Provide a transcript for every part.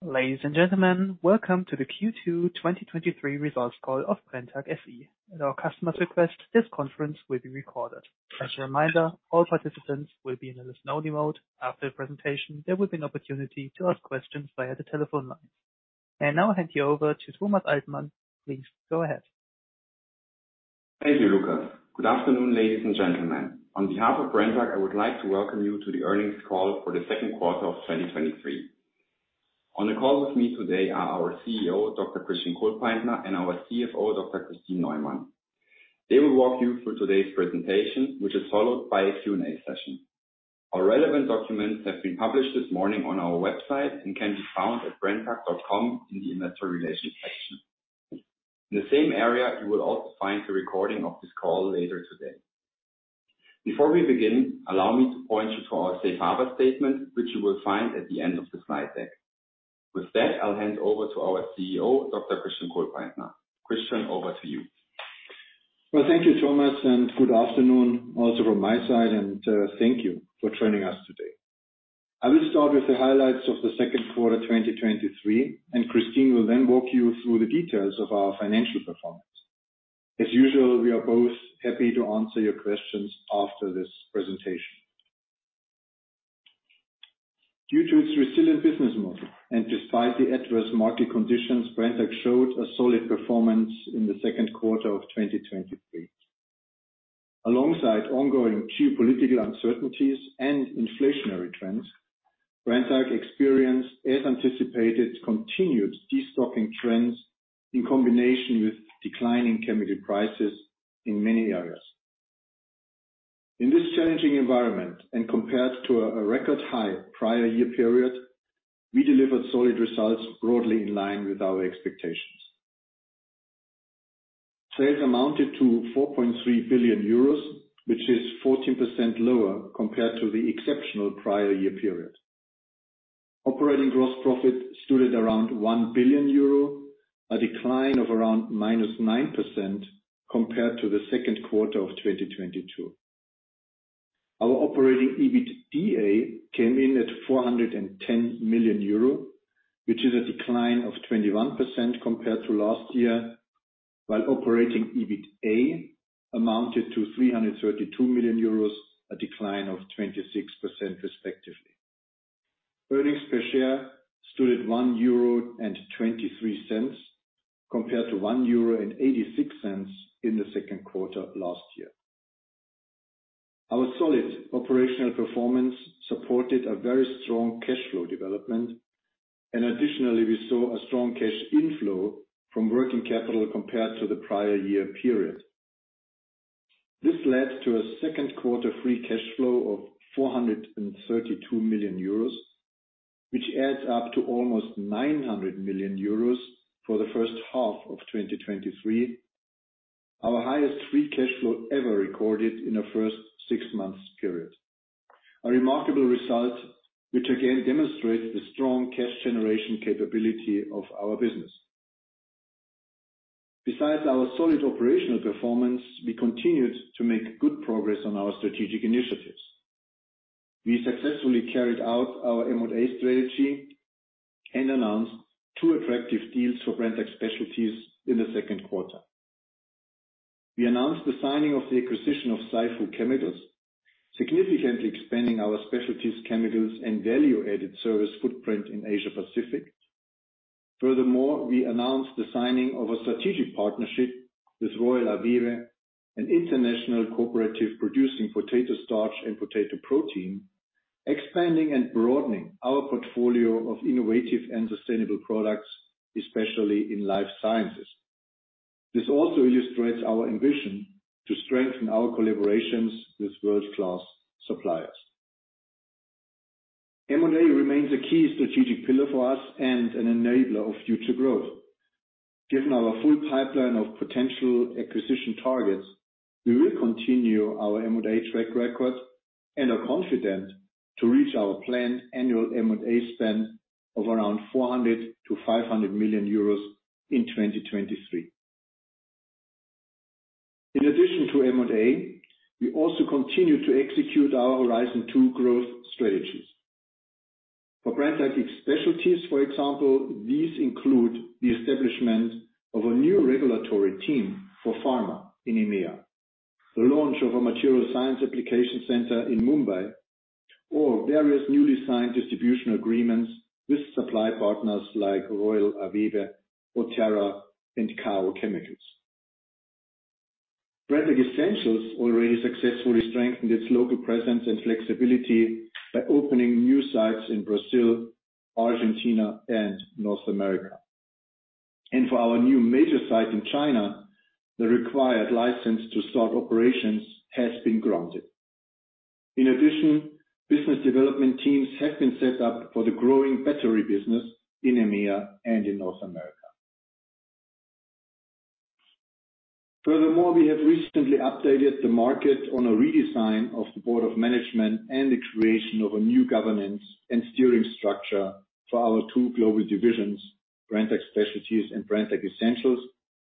Ladies and gentlemen, welcome to the Q2 2023 results call of Brenntag SE. At our customer's request, this conference will be recorded. As a reminder, all participants will be in a listen-only mode. After the presentation, there will be an opportunity to ask questions via the telephone line. I now hand you over to Thomas Altmann. Please go ahead. Thank you, Lucas. Good afternoon, ladies and gentlemen. On behalf of Brenntag, I would like to welcome you to the earnings call for the second quarter of 2023. On the call with me today are our CEO, Dr. Christian Kohlpaintner, and our CFO, Dr. Kristin Neumann. They will walk you through today's presentation, which is followed by a Q&A session. Our relevant documents have been published this morning on our website and can be found at brenntag.com in the Investor Relations section. In the same area, you will also find the recording of this call later today. Before we begin, allow me to point you to our safe harbor statement, which you will find at the end of the slide deck. With that, I'll hand over to our CEO, Dr. Christian Kohlpaintner. Christian, over to you. Well, thank you, Thomas, and good afternoon also from my side, and thank you for joining us today. I will start with the highlights of the second quarter 2023, and Kristin will then walk you through the details of our financial performance. As usual, we are both happy to answer your questions after this presentation. Due to its resilient business model and despite the adverse market conditions, Brenntag showed a solid performance in the second quarter of 2023. Alongside ongoing geopolitical uncertainties and inflationary trends, Brenntag experienced, as anticipated, continued destocking trends in combination with declining chemical prices in many areas. In this challenging environment, and compared to a record high prior year period, we delivered solid results broadly in line with our expectations. Sales amounted to 4.3 billion euros, which is 14% lower compared to the exceptional prior year period. Operating gross profit stood at around 1 billion euro, a decline of around -9% compared to the second quarter of 2022. Our operating EBITDA came in at 410 million euro, which is a decline of 21% compared to last year, while operating EBITA amounted to 332 million euros, a decline of 26%, respectively. Earnings per share stood at 1.23 euro, compared to 1.86 euro in the second quarter of last year. Our solid operational performance supported a very strong cash flow development, and additionally, we saw a strong cash inflow from working capital compared to the prior year period. This led to a second quarter free cash flow of 432 million euros, which adds up to almost 900 million euros for the first half of 2023, our highest free cash flow ever recorded in a first 6-months period. A remarkable result, which again demonstrates the strong cash generation capability of our business. Besides our solid operational performance, we continued to make good progress on our strategic initiatives. We successfully carried out our M&A strategy and announced two attractive deals for Brenntag Specialties in the second quarter. We announced the signing of the acquisition of Saifu Chemicals, significantly expanding our specialties, chemicals, and value-added service footprint in Asia Pacific. Furthermore, we announced the signing of a strategic partnership with Royal Avebe, an international cooperative producing potato starch and potato protein, expanding and broadening our portfolio of innovative and sustainable products, especially in life sciences. This also illustrates our ambition to strengthen our collaborations with world-class suppliers. M&A remains a key strategic pillar for us and an enabler of future growth. Given our full pipeline of potential acquisition targets, we will continue our M&A track record and are confident to reach our planned annual M&A spend of around 400 million-500 million euros in 2023. In addition to M&A, we also continue to execute our Horizon 2 growth strategies. For Brenntag Specialties, for example, these include the establishment of a new regulatory team for pharma in EMEA, the launch of a material science application center in Mumbai, or various newly signed distribution agreements with supply partners like Royal Avebe, Oterra, and Kao Chemicals Europe. Brenntag Essentials already successfully strengthened its local presence and flexibility by opening new sites in Brazil, Argentina, and North America. For our new major site in China, the required license to start operations has been granted. In addition, business development teams have been set up for the growing battery business in EMEA and in North America. Furthermore, we have recently updated the market on a redesign of the board of management and the creation of a new governance and steering structure for our two global divisions, Brenntag Specialties and Brenntag Essentials,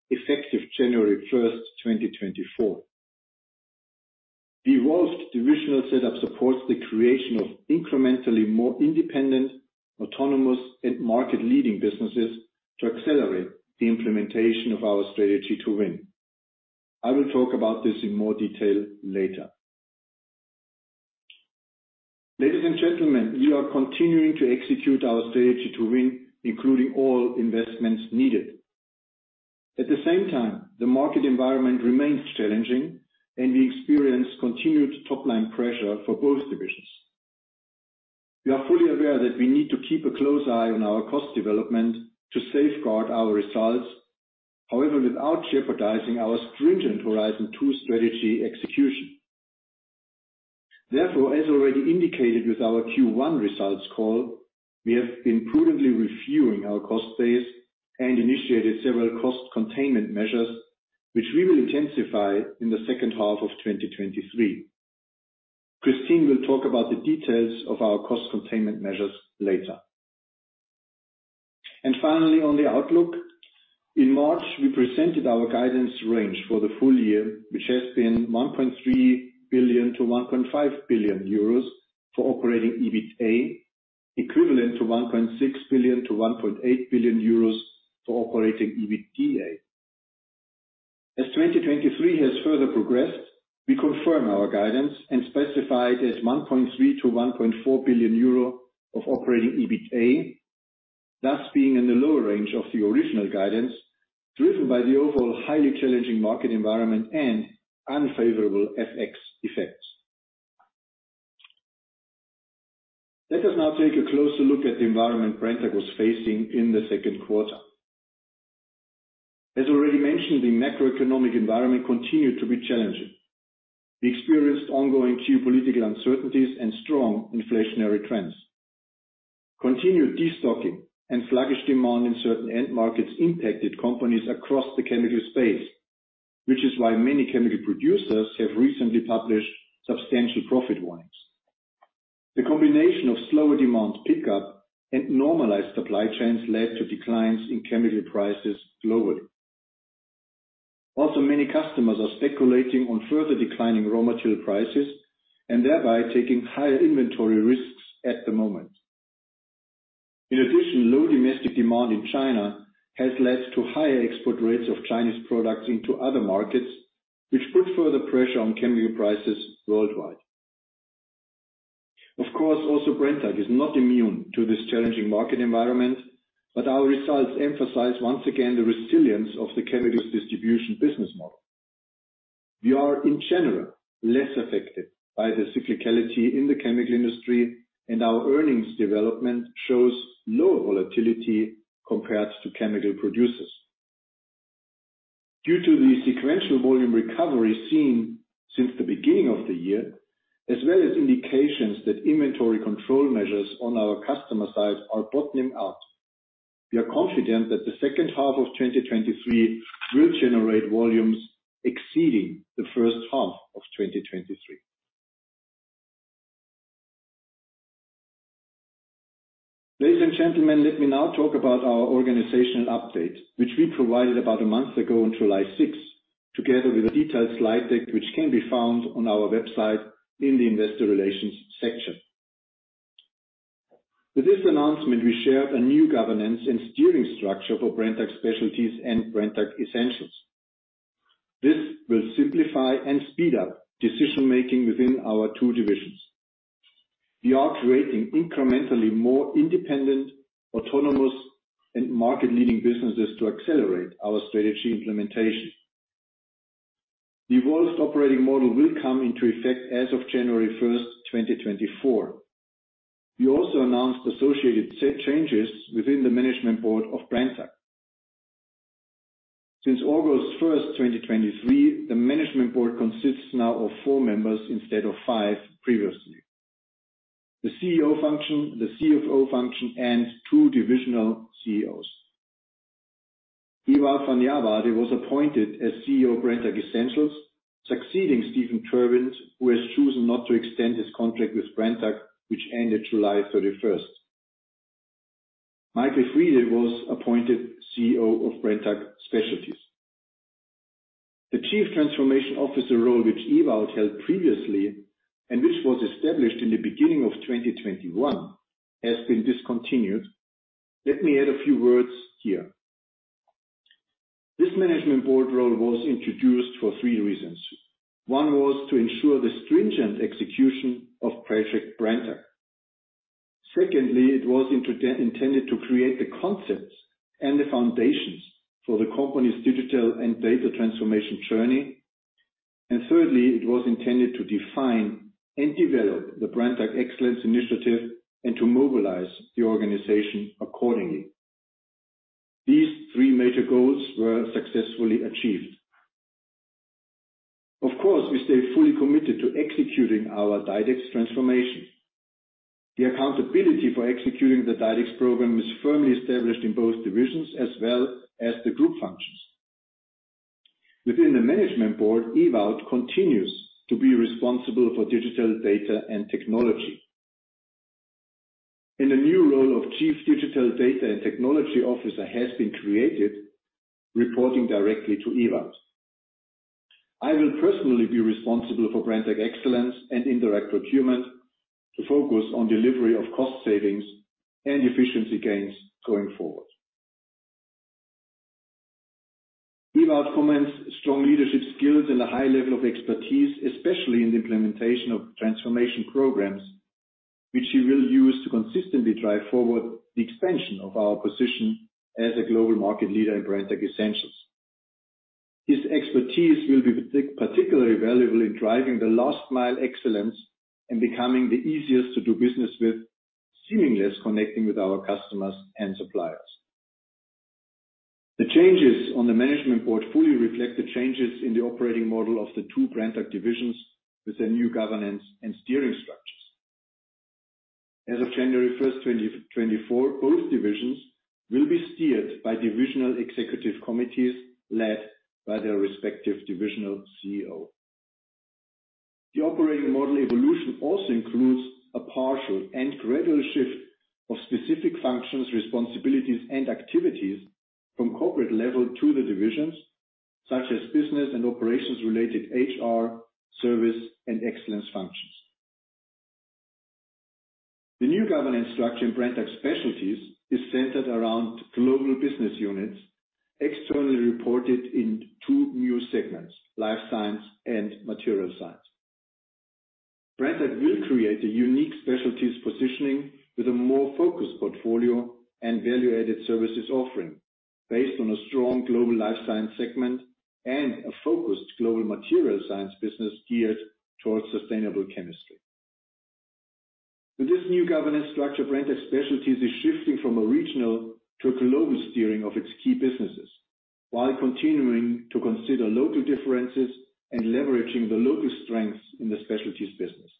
effective January 1, 2024. The evolved divisional setup supports the creation of incrementally more independent, autonomous, and market-leading businesses to accelerate the implementation of our Strategy to Win. I will talk about this in more detail later. Ladies and gentlemen, we are continuing to execute our Strategy to Win, including all investments needed. At the same time, the market environment remains challenging, and we experience continued top-line pressure for both divisions. We are fully aware that we need to keep a close eye on our cost development to safeguard our results, however, without jeopardizing our stringent Horizon 2 strategy execution. Therefore, as already indicated with our Q1 results call, we have been prudently reviewing our cost base and initiated several cost containment measures, which we will intensify in the second half of 2023. Kristin will talk about the details of our cost containment measures later. Finally, on the outlook, in March, we presented our guidance range for the full year, which has been 1.3 billion-1.5 billion euros for operating EBITDA, equivalent to 1.6 billion-1.8 billion euros for operating EBITDA. As 2023 has further progressed, we confirm our guidance and specify it as 1.3 billion-1.4 billion euro of operating EBITDA, thus being in the lower range of the original guidance, driven by the overall highly challenging market environment and unfavorable FX effects. Let us now take a closer look at the environment Brenntag was facing in the second quarter. As already mentioned, the macroeconomic environment continued to be challenging. We experienced ongoing geopolitical uncertainties and strong inflationary trends. Continued destocking and sluggish demand in certain end markets impacted companies across the chemical space, which is why many chemical producers have recently published substantial profit warnings. The combination of slower demand pickup and normalized supply chains led to declines in chemical prices globally. Many customers are speculating on further declining raw material prices and thereby taking higher inventory risks at the moment. In addition, low domestic demand in China has led to higher export rates of Chinese products into other markets, which put further pressure on chemical prices worldwide. Of course, also Brenntag is not immune to this challenging market environment, but our results emphasize once again the resilience of the chemicals distribution business model. We are, in general, less affected by the cyclicality in the chemical industry, and our earnings development shows lower volatility compared to chemical producers. Due to the sequential volume recovery seen since the beginning of the year, as well as indications that inventory control measures on our customer side are bottoming out, we are confident that the second half of 2023 will generate volumes exceeding the first half of 2023. Ladies and gentlemen, let me now talk about our organizational update, which we provided about a month ago on July 6, together with a detailed slide deck, which can be found on our website in the Investor Relations section. With this announcement, we shared a new governance and steering structure for Brenntag Specialties and Brenntag Essentials. This will simplify and speed up decision-making within our two divisions. We are creating incrementally more independent, autonomous, and market-leading businesses to accelerate our strategy implementation. The evolved operating model will come into effect as of January 1, 2024. We also announced associated set changes within the management board of Brenntag. Since August 1, 2023, the management board consists now of 4 members instead of 5 previously: the CEO function, the CFO function, and two divisional CEOs. Ewout van Jarwaarde was appointed as CEO of Brenntag Essentials, succeeding Steven Terwindt, who has chosen not to extend his contract with Brenntag, which ended July 31st. Michael Friede was appointed CEO of Brenntag Specialties. The Chief Transformation Officer role, which Ewout held previously, and which was established in the beginning of 2021, has been discontinued. Let me add a few words here. This management board role was introduced for three reasons. One was to ensure the stringent execution of Project Brenntag. Secondly, it was intended to create the concepts and the foundations for the company's digital and data transformation journey. Thirdly, it was intended to define and develop the Brenntag Excellence Initiative and to mobilize the organization accordingly. These three major goals were successfully achieved. Of course, we stay fully committed to executing our DiDEX transformation. The accountability for executing the DiDEX program is firmly established in both divisions as well as the group functions. Within the management board, Ewout continues to be responsible for digital data and technology. A new role of Chief Digital Data and Technology Officer has been created, reporting directly to Ewout. I will personally be responsible for Brenntag excellence and indirect procurement, to focus on delivery of cost savings and efficiency gains going forward. Ewout combines strong leadership skills and a high level of expertise, especially in the implementation of transformation programs, which he will use to consistently drive forward the expansion of our position as a global market leader in Brenntag Essentials. His expertise will be particularly valuable in driving the last mile excellence and becoming the easiest to do business with, seamlessly connecting with our customers and suppliers. The changes on the management board fully reflect the changes in the operating model of the two Brenntag divisions, with their new governance and steering structures. As of January 1, 2024, both divisions will be steered by divisional executive committees, led by their respective divisional CEO. The operating model evolution also includes a partial and gradual shift of specific functions, responsibilities, and activities from corporate level to the divisions, such as business and operations-related HR, service, and excellence functions. The new governance structure in Brenntag Specialties is centered around global business units, externally reported in two new segments: Life Science and Material Science. Brenntag will create a unique specialty positioning with a more focused portfolio and value-added services offering, based on a strong global Life Science segment and a focused global Material Science business geared towards sustainable chemistry. With this new governance structure, Brenntag Specialties is shifting from a regional to a global steering of its key businesses, while continuing to consider local differences and leveraging the local strengths in the specialties business.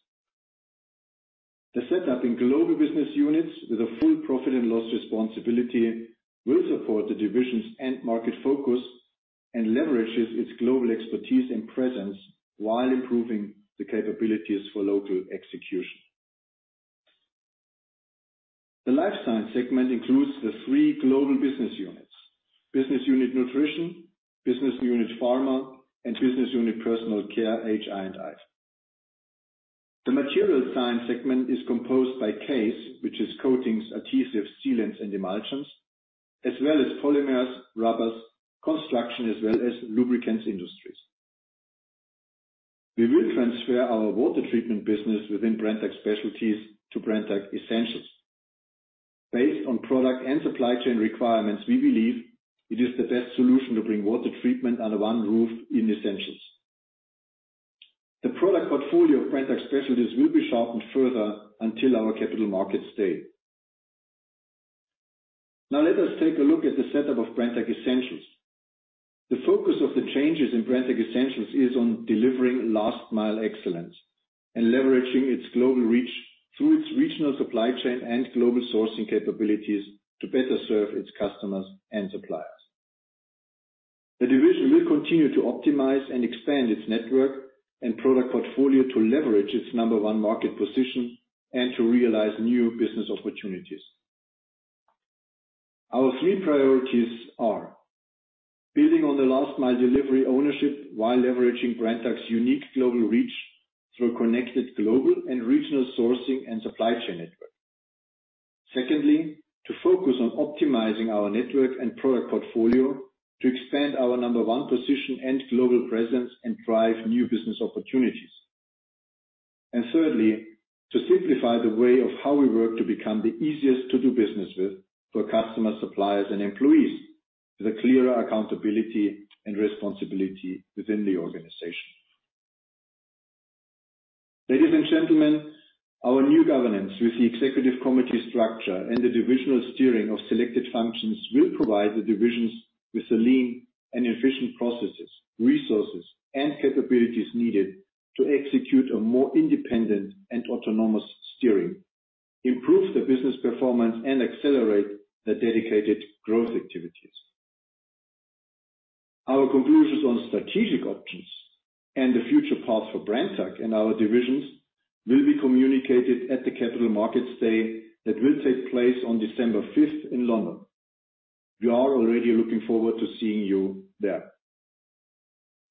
The setup in global business units with a full profit and loss responsibility, will support the division's end market focus and leverages its global expertise and presence, while improving the capabilities for local execution. The life science segment includes the three global business units: Business Unit Nutrition, Business Unit Pharma, and Business Unit Personal Care, HI&I. The material science segment is composed by CASE, which is coatings, adhesives, sealants, and elastomers, as well as polymers, rubbers, construction, as well as lubricants industries. We will transfer our water treatment business within Brenntag Specialties to Brenntag Essentials. Based on product and supply chain requirements, we believe it is the best solution to bring water treatment under one roof in Brenntag Essentials. The product portfolio of Brenntag Specialties will be sharpened further until our Capital Markets Day. Let us take a look at the setup of Brenntag Essentials. The focus of the changes in Brenntag Essentials is on delivering last-mile excellence and leveraging its global reach through its regional supply chain and global sourcing capabilities to better serve its customers and suppliers. The division will continue to optimize and expand its network and product portfolio to leverage its number one market position and to realize new business opportunities. Our three priorities are: building on the last mile delivery ownership, while leveraging Brenntag's unique global reach through a connected global and regional sourcing and supply chain network. Secondly, to focus on optimizing our network and product portfolio to expand our number 1 position and global presence and drive new business opportunities. Thirdly, to simplify the way of how we work to become the easiest to do business with for customers, suppliers, and employees, with a clearer accountability and responsibility within the organization. Ladies and gentlemen, our new governance with the executive committee structure and the divisional steering of selected functions, will provide the divisions with the lean and efficient processes, resources, and capabilities needed to execute a more independent and autonomous steering, improve the business performance, and accelerate the dedicated growth activities. Our conclusions on strategic options and the future path for Brenntag and our divisions, will be communicated at the Capital Markets Day that will take place on December 5 in London. We are already looking forward to seeing you there.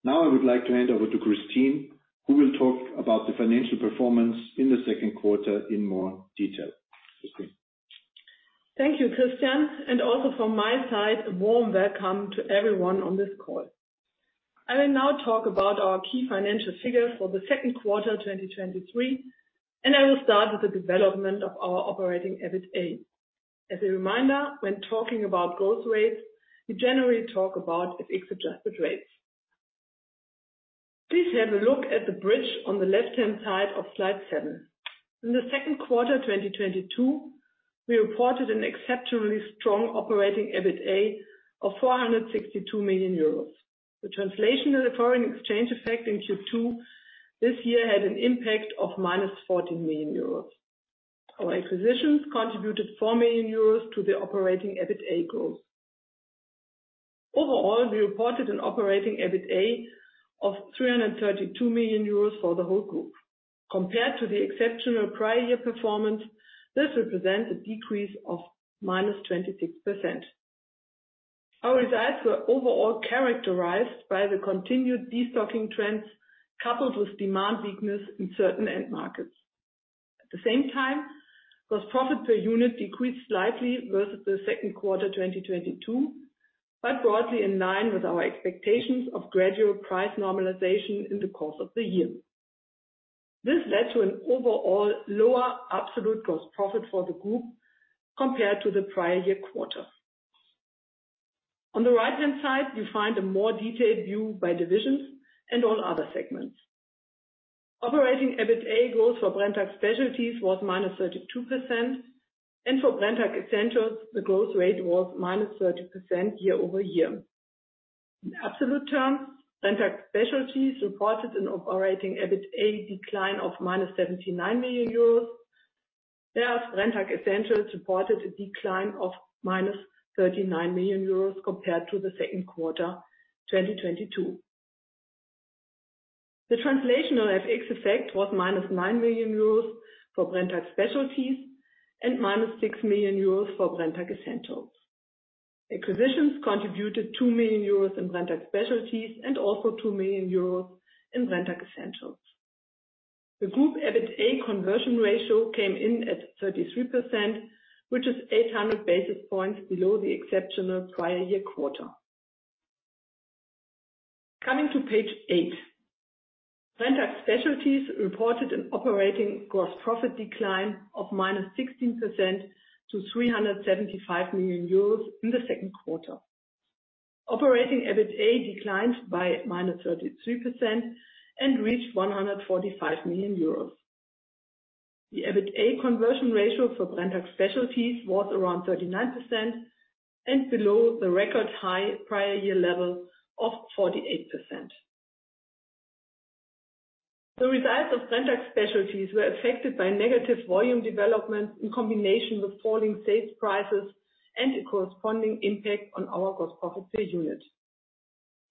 Now, I would like to hand over to Kristin, who will talk about the financial performance in the second quarter in more detail. Kristin? Thank you, Christian. Also from my side, a warm welcome to everyone on this call. I will now talk about our key financial figures for the second quarter, 2023, and I will start with the development of our operating EBITDA. As a reminder, when talking about growth rates, we generally talk about at X adjusted rates. Please have a look at the bridge on the left-hand side of slide 7. In the second quarter, 2022, we reported an exceptionally strong operating EBITDA of 462 million euros. The translation and the foreign exchange effect in Q2 this year had an impact of -14 million euros. Our acquisitions contributed 4 million euros to the operating EBITDA growth.... Overall, we reported an operating EBITA of 332 million euros for the whole group. Compared to the exceptional prior year performance, this represents a decrease of -26%. Our results were overall characterized by the continued destocking trends, coupled with demand weakness in certain end markets. At the same time, gross profit per unit decreased slightly versus 2Q 2022, but broadly in line with our expectations of gradual price normalization in the course of the year. This led to an overall lower absolute gross profit for the group compared to the prior year quarter. On the right-hand side, you find a more detailed view by divisions and all other segments. Operating EBITA growth for Brenntag Specialties was -32%, and for Brenntag Essentials, the growth rate was -30% year-over-year. In absolute terms, Brenntag Specialties reported an operating EBITA decline of minus 79 million euros, whereas Brenntag Essentials reported a decline of minus 39 million euros compared to the second quarter, 2022. The translational FX effect was minus 9 million euros for Brenntag Specialties and minus 6 million euros for Brenntag Essentials. Acquisitions contributed 2 million euros in Brenntag Specialties and also 2 million euros in Brenntag Essentials. The group EBITA conversion ratio came in at 33%, which is 800 basis points below the exceptional prior year quarter. Coming to page 8. Brenntag Specialties reported an operating gross profit decline of minus 16% to 375 million euros in the second quarter. Operating EBITA declined by minus 32% and reached 145 million euros. The EBITA conversion ratio for Brenntag Specialties was around 39% and below the record high prior year level of 48%. The results of Brenntag Specialties were affected by negative volume development in combination with falling sales prices and a corresponding impact on our cost profit per unit.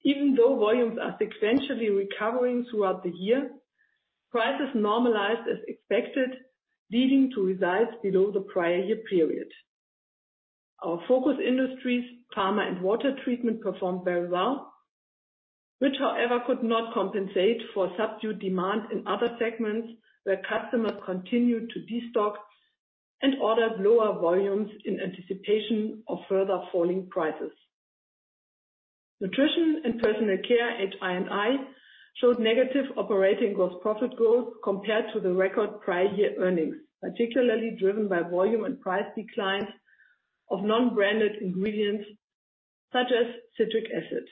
Even though volumes are sequentially recovering throughout the year, prices normalized as expected, leading to results below the prior year period. Our focus industries, pharma and water treatment, performed very well, which, however, could not compensate for subdued demand in other segments, where customers continued to destock and ordered lower volumes in anticipation of further falling prices. Nutrition and personal care at I&I showed negative operating gross profit growth compared to the record prior year earnings, particularly driven by volume and price declines of non-branded ingredients such as Citric acid.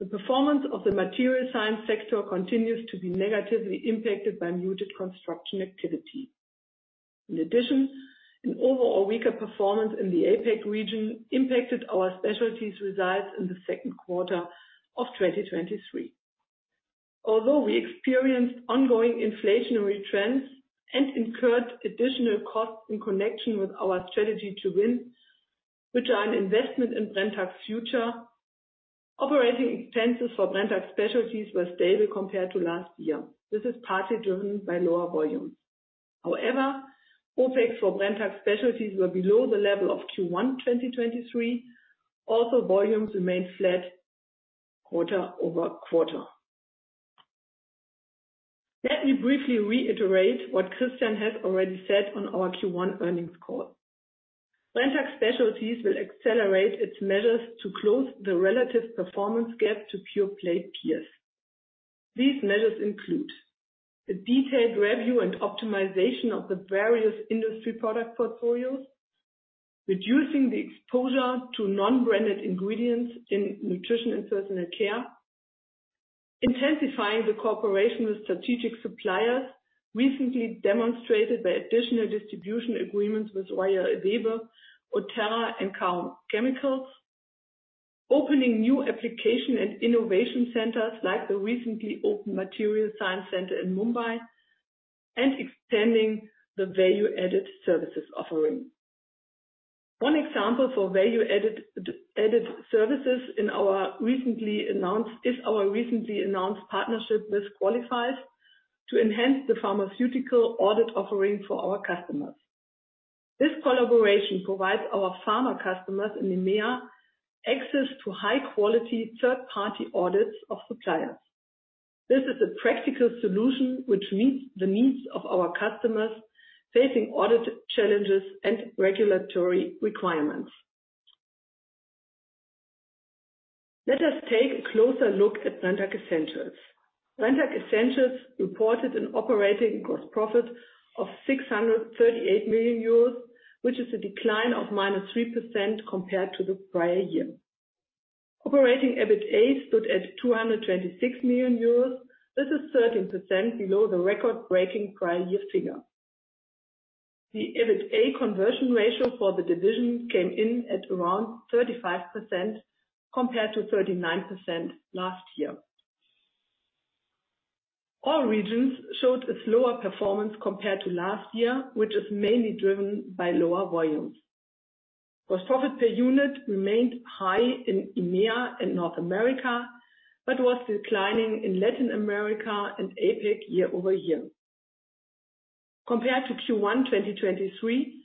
The performance of the material science sector continues to be negatively impacted by muted construction activity. In addition, an overall weaker performance in the APAC region impacted our specialties results in the second quarter of 2023. Although we experienced ongoing inflationary trends and incurred additional costs in connection with Our Strategy to Win, which are an investment in Brenntag's future, operating expenses for Brenntag Specialties were stable compared to last year. This is partly driven by lower volumes. However, OpEx for Brenntag Specialties were below the level of Q1 2023. Also, volumes remained flat quarter-over-quarter. Let me briefly reiterate what Christian had already said on our Q1 earnings call. Brenntag Specialties will accelerate its measures to close the relative performance gap to pure-play peers. These measures include: a detailed review and optimization of the various industry product portfolios, reducing the exposure to non-branded ingredients in nutrition and personal care, intensifying the cooperation with strategic suppliers, recently demonstrated by additional distribution agreements with Royal Avebe, Oterra, and Kao Chemicals Europe, opening new application and innovation centers like the recently opened Material Science Center in Mumbai, and extending the value-added services offering. One example for value-added services is our recently announced partnership with Qualifyze to enhance the pharmaceutical audit offering for our customers. This collaboration provides our pharma customers in EMEA access to high-quality third-party audits of suppliers. This is a practical solution which meets the needs of our customers facing audit challenges and regulatory requirements. Let us take a closer look at Brenntag Essentials. Brenntag Essentials reported an operating gross profit of 638 million euros, which is a decline of -3% compared to the prior year. Operating EBITA stood at 226 million euros. This is 13% below the record-breaking prior year figure. The EBITA conversion ratio for the division came in at around 35%, compared to 39% last year. All regions showed a slower performance compared to last year, which is mainly driven by lower volumes. Gross profit per unit remained high in EMEA and North America but was declining in Latin America and APAC year-over-year. Compared to Q1 2023,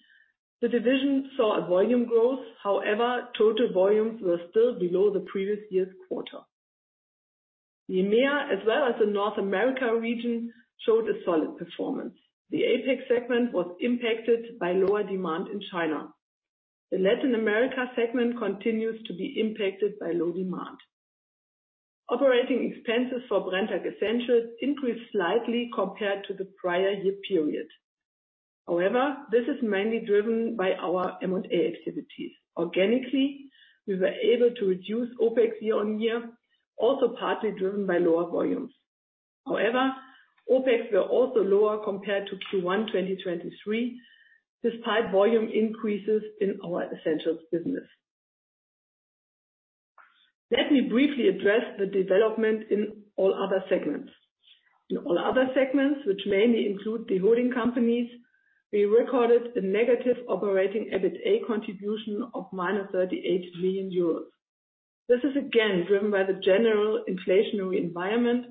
the division saw a volume growth. However, total volumes were still below the previous year's quarter. The EMEA, as well as the North America region, showed a solid performance. The APAC segment was impacted by lower demand in China. The Latin America segment continues to be impacted by low demand. Operating expenses for Brenntag Essentials increased slightly compared to the prior year period. This is mainly driven by our M&A activities. Organically, we were able to reduce OpEx year-on-year, also partly driven by lower volumes. OpEx were also lower compared to Q1 2023, despite volume increases in our Essentials business. Let me briefly address the development in all other segments. In all other segments, which mainly include the holding companies, we recorded a negative operating EBITA contribution of -38 million euros. This is again, driven by the general inflationary environment,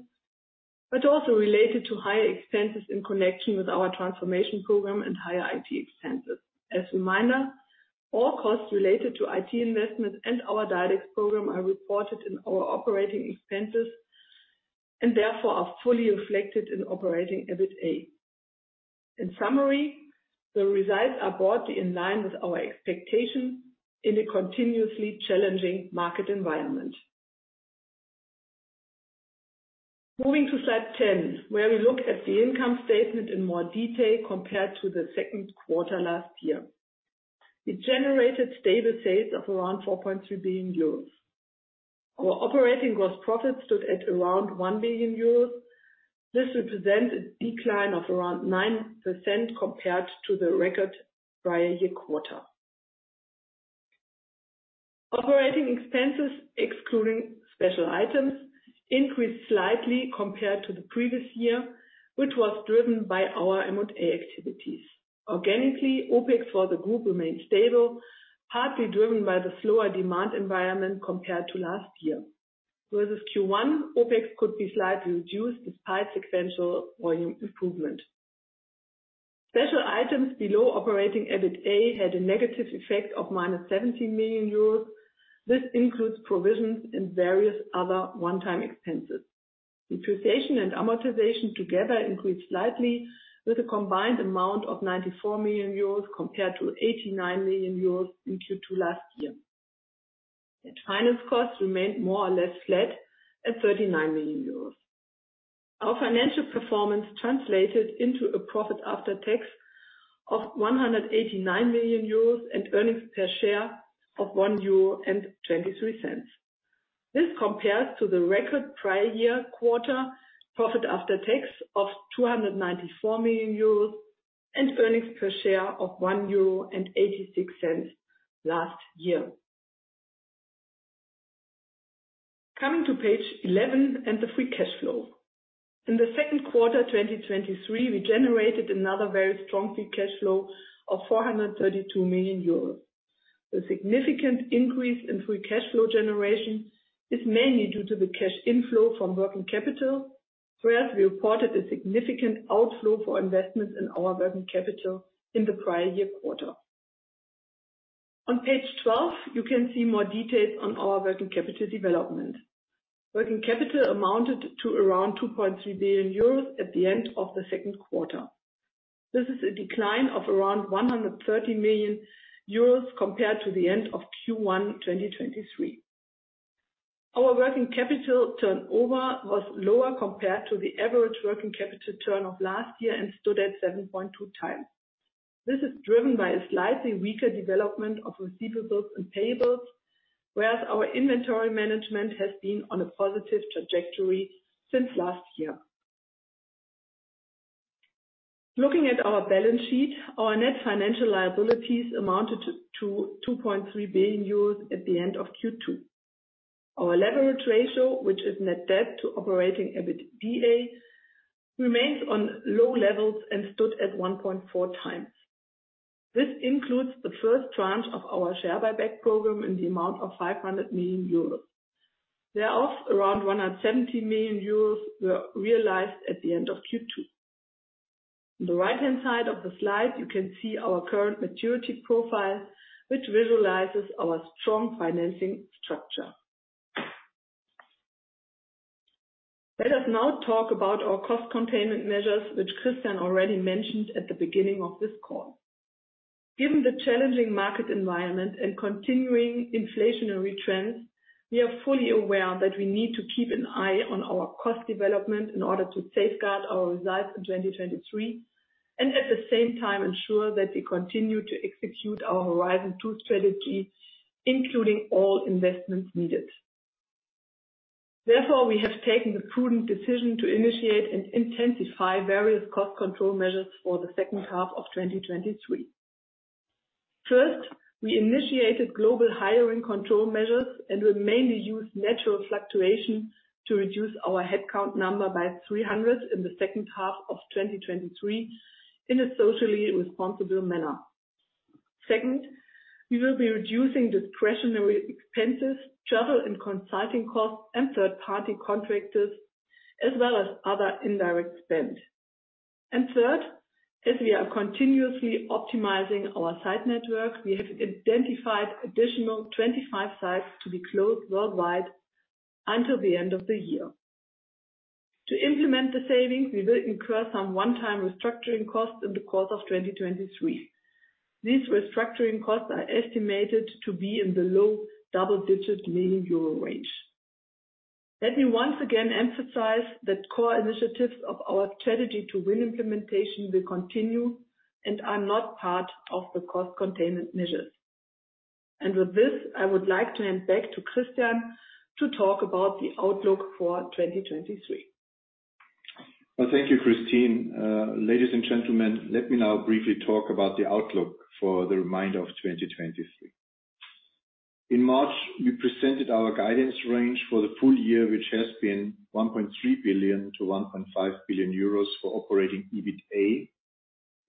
but also related to higher expenses in connection with our transformation program and higher IT expenses. As a reminder, all costs related to IT investments and our DiDEX program are reported in our operating expenses and therefore are fully reflected in operating EBITA. In summary, the results are broadly in line with our expectations in a continuously challenging market environment. Moving to slide 10, where we look at the income statement in more detail compared to the second quarter last year. We generated stable sales of around 4.2 billion euros. Our operating gross profit stood at around 1 billion euros. This represents a decline of around 9% compared to the record prior year quarter. Operating expenses, excluding special items, increased slightly compared to the previous year, which was driven by our M&A activities. Organically, OpEx for the group remained stable, partly driven by the slower demand environment compared to last year. Versus Q1, OpEx could be slightly reduced despite sequential volume improvement. Special items below operating EBITA had a negative effect of minus 17 million euros. This includes provisions and various other one-time expenses. Depreciation and amortization together increased slightly with a combined amount of 94 million euros compared to 89 million euros in Q2 last year. The finance costs remained more or less flat at 39 million euros. Our financial performance translated into a profit after tax of 189 million euros and earnings per share of 1.23 euro. This compares to the record prior year quarter profit after tax of 294 million euros and earnings per share of 1.86 euro last year. Coming to page 11 and the free cash flow. In the second quarter, 2023, we generated another very strong free cash flow of 432 million euros. The significant increase in free cash flow generation is mainly due to the cash inflow from working capital, whereas we reported a significant outflow for investments in our working capital in the prior year quarter. On page 12, you can see more details on our working capital development. Working capital amounted to around 2.3 billion euros at the end of the second quarter. This is a decline of around 130 million euros compared to the end of Q1 2023. Our working capital turnover was lower compared to the average working capital turn of last year and stood at 7.2 times. This is driven by a slightly weaker development of receivables and payables, whereas our inventory management has been on a positive trajectory since last year. Looking at our balance sheet, our net financial liabilities amounted to 2.3 billion euros at the end of Q2. Our leverage ratio, which is net debt to operating EBITDA, remains on low levels and stood at 1.4 times. This includes the first tranche of our share buyback program in the amount of 500 million euros. Thereof, around 170 million euros were realized at the end of Q2. On the right-hand side of the slide, you can see our current maturity profile, which visualizes our strong financing structure. Let us now talk about our cost containment measures, which Christian already mentioned at the beginning of this call. Given the challenging market environment and continuing inflationary trends, we are fully aware that we need to keep an eye on our cost development in order to safeguard our results in 2023, and at the same time ensure that we continue to execute our Horizon 2 strategy, including all investments needed. Therefore, we have taken the prudent decision to initiate and intensify various cost control measures for the second half of 2023. First, we initiated global hiring control measures, and we mainly use natural fluctuation to reduce our headcount number by 300 in the second half of 2023 in a socially responsible manner. Second, we will be reducing discretionary expenses, travel and consulting costs, and third-party contractors, as well as other indirect spend. Third, as we are continuously optimizing our site network, we have identified additional 25 sites to be closed worldwide until the end of the year. To implement the savings, we will incur some one-time restructuring costs in the course of 2023. These restructuring costs are estimated to be in the low double-digit million euro range. Let me once again emphasize that core initiatives of our Strategy to Win implementation will continue and are not part of the cost containment measures. With this, I would like to hand back to Christian to talk about the outlook for 2023. Thank you, Kristin. ladies and gentlemen, let me now briefly talk about the outlook for the remainder of 2023. In March, we presented our guidance range for the full year, which has been 1.3 billion-1.5 billion euros for operating EBITA,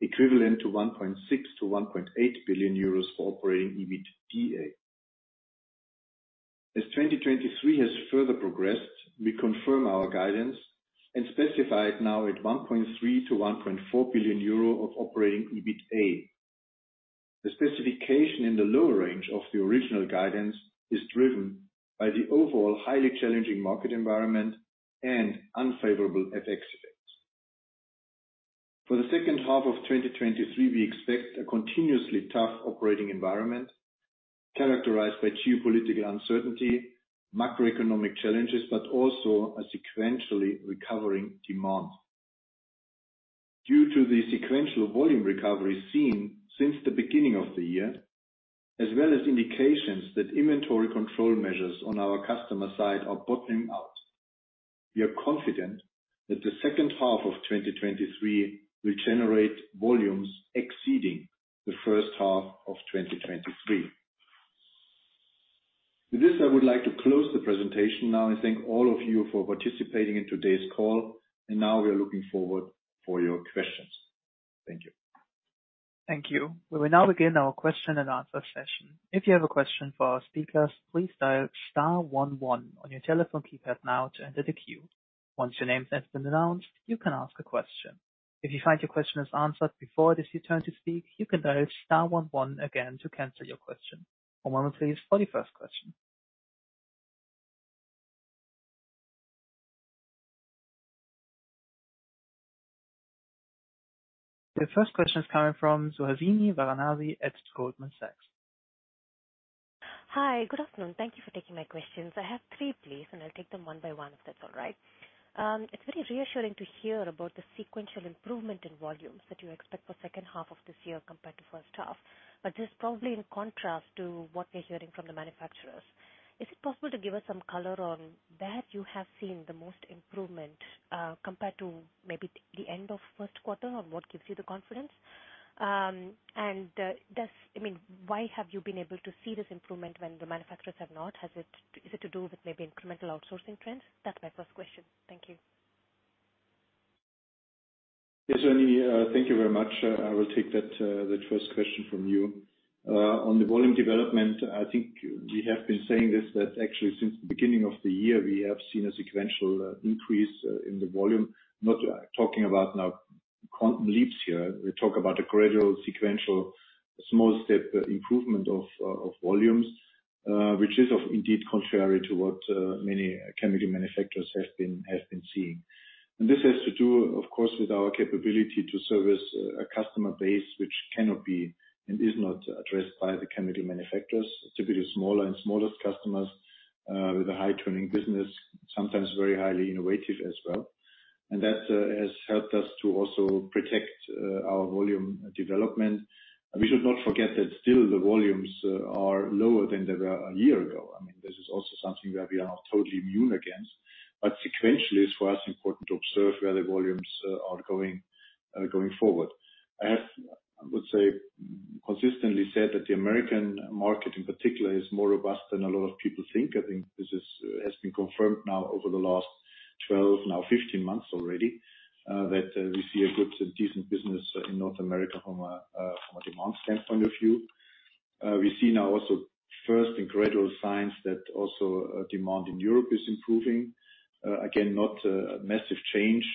equivalent to 1.6 billion-1.8 billion euros for operating EBITDA. As 2023 has further progressed, we confirm our guidance and specify it now at 1.3 billion-1.4 billion euro of operating EBITA. The specification in the lower range of the original guidance is driven by the overall highly challenging market environment and unfavorable FX effects. For the second half of 2023, we expect a continuously tough operating environment characterized by geopolitical uncertainty, macroeconomic challenges, but also a sequentially recovering demand. Due to the sequential volume recovery seen since the beginning of the year, as well as indications that inventory control measures on our customer side are bottoming out, we are confident that the second half of 2023 will generate volumes exceeding the first half of 2023. With this, I would like to close the presentation now and thank all of you for participating in today's call. Now we are looking forward for your questions. Thank you. Thank you. We will now begin our question-and-answer session. If you have a question for our speakers, please dial * 1 1 on your telephone keypad now to enter the queue. Once your name has been announced, you can ask a question. If you find your question is answered before it is your turn to speak, you can dial * 1 1 again to cancel your question. One moment, please, for the first question. The first question is coming from Suhasini Varanasi at Goldman Sachs. Hi, good afternoon. Thank you for taking my questions. I have 3, please, and I'll take them one by one, if that's all right. It's very reassuring to hear about the sequential improvement in volumes that you expect for second half of this year compared to first half. This is probably in contrast to what we're hearing from the manufacturers. Is it possible to give us some color on where you have seen the most improvement, compared to maybe the end of first quarter, or what gives you the confidence? Does-- I mean, why have you been able to see this improvement when the manufacturers have not? Has it, is it to do with maybe incremental outsourcing trends? That's my first question. Thank you. Yes, Suhasini, thank you very much. I will take that, that first question from you. On the volume development, I think we have been saying this, that actually since the beginning of the year, we have seen a sequential increase in the volume. Not talking about now quantum leaps here. We talk about a gradual, sequential, small step improvement of volumes, which is of indeed contrary to what many chemical manufacturers have been, have been seeing. This has to do, of course, with our capability to service a customer base, which cannot be and is not addressed by the chemical manufacturers, typically smaller and smallest customers, with a high turning business, sometimes very highly innovative as well. That has helped us to also protect our volume development. We should not forget that still the volumes are lower than they were a year ago. I mean, this is also something that we are not totally immune against, but sequentially, it's for us, important to observe where the volumes are going forward. I have, I would say, consistently said that the American market in particular is more robust than a lot of people think. I think this is has been confirmed now over the last 12, now 15 months already, that we see a good and decent business in North America from a from a demand standpoint of view. We see now also first and gradual signs that also demand in Europe is improving. Again, not a massive change,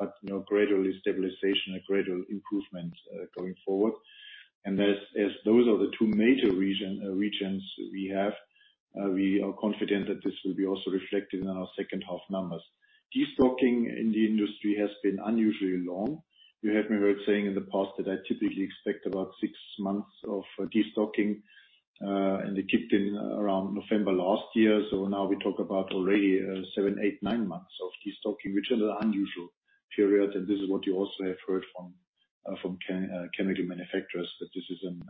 but, you know, gradually stabilization, a gradual improvement going forward. As, as those are the two major region, regions we have, we are confident that this will be also reflected in our second half numbers. Destocking in the industry has been unusually long. You have me heard saying in the past that I typically expect about 6 months of destocking, and it kicked in around November last year. Now we talk about already 7, 8, 9 months of destocking, which is an unusual period, and this is what you also have heard from chemical manufacturers, that this is an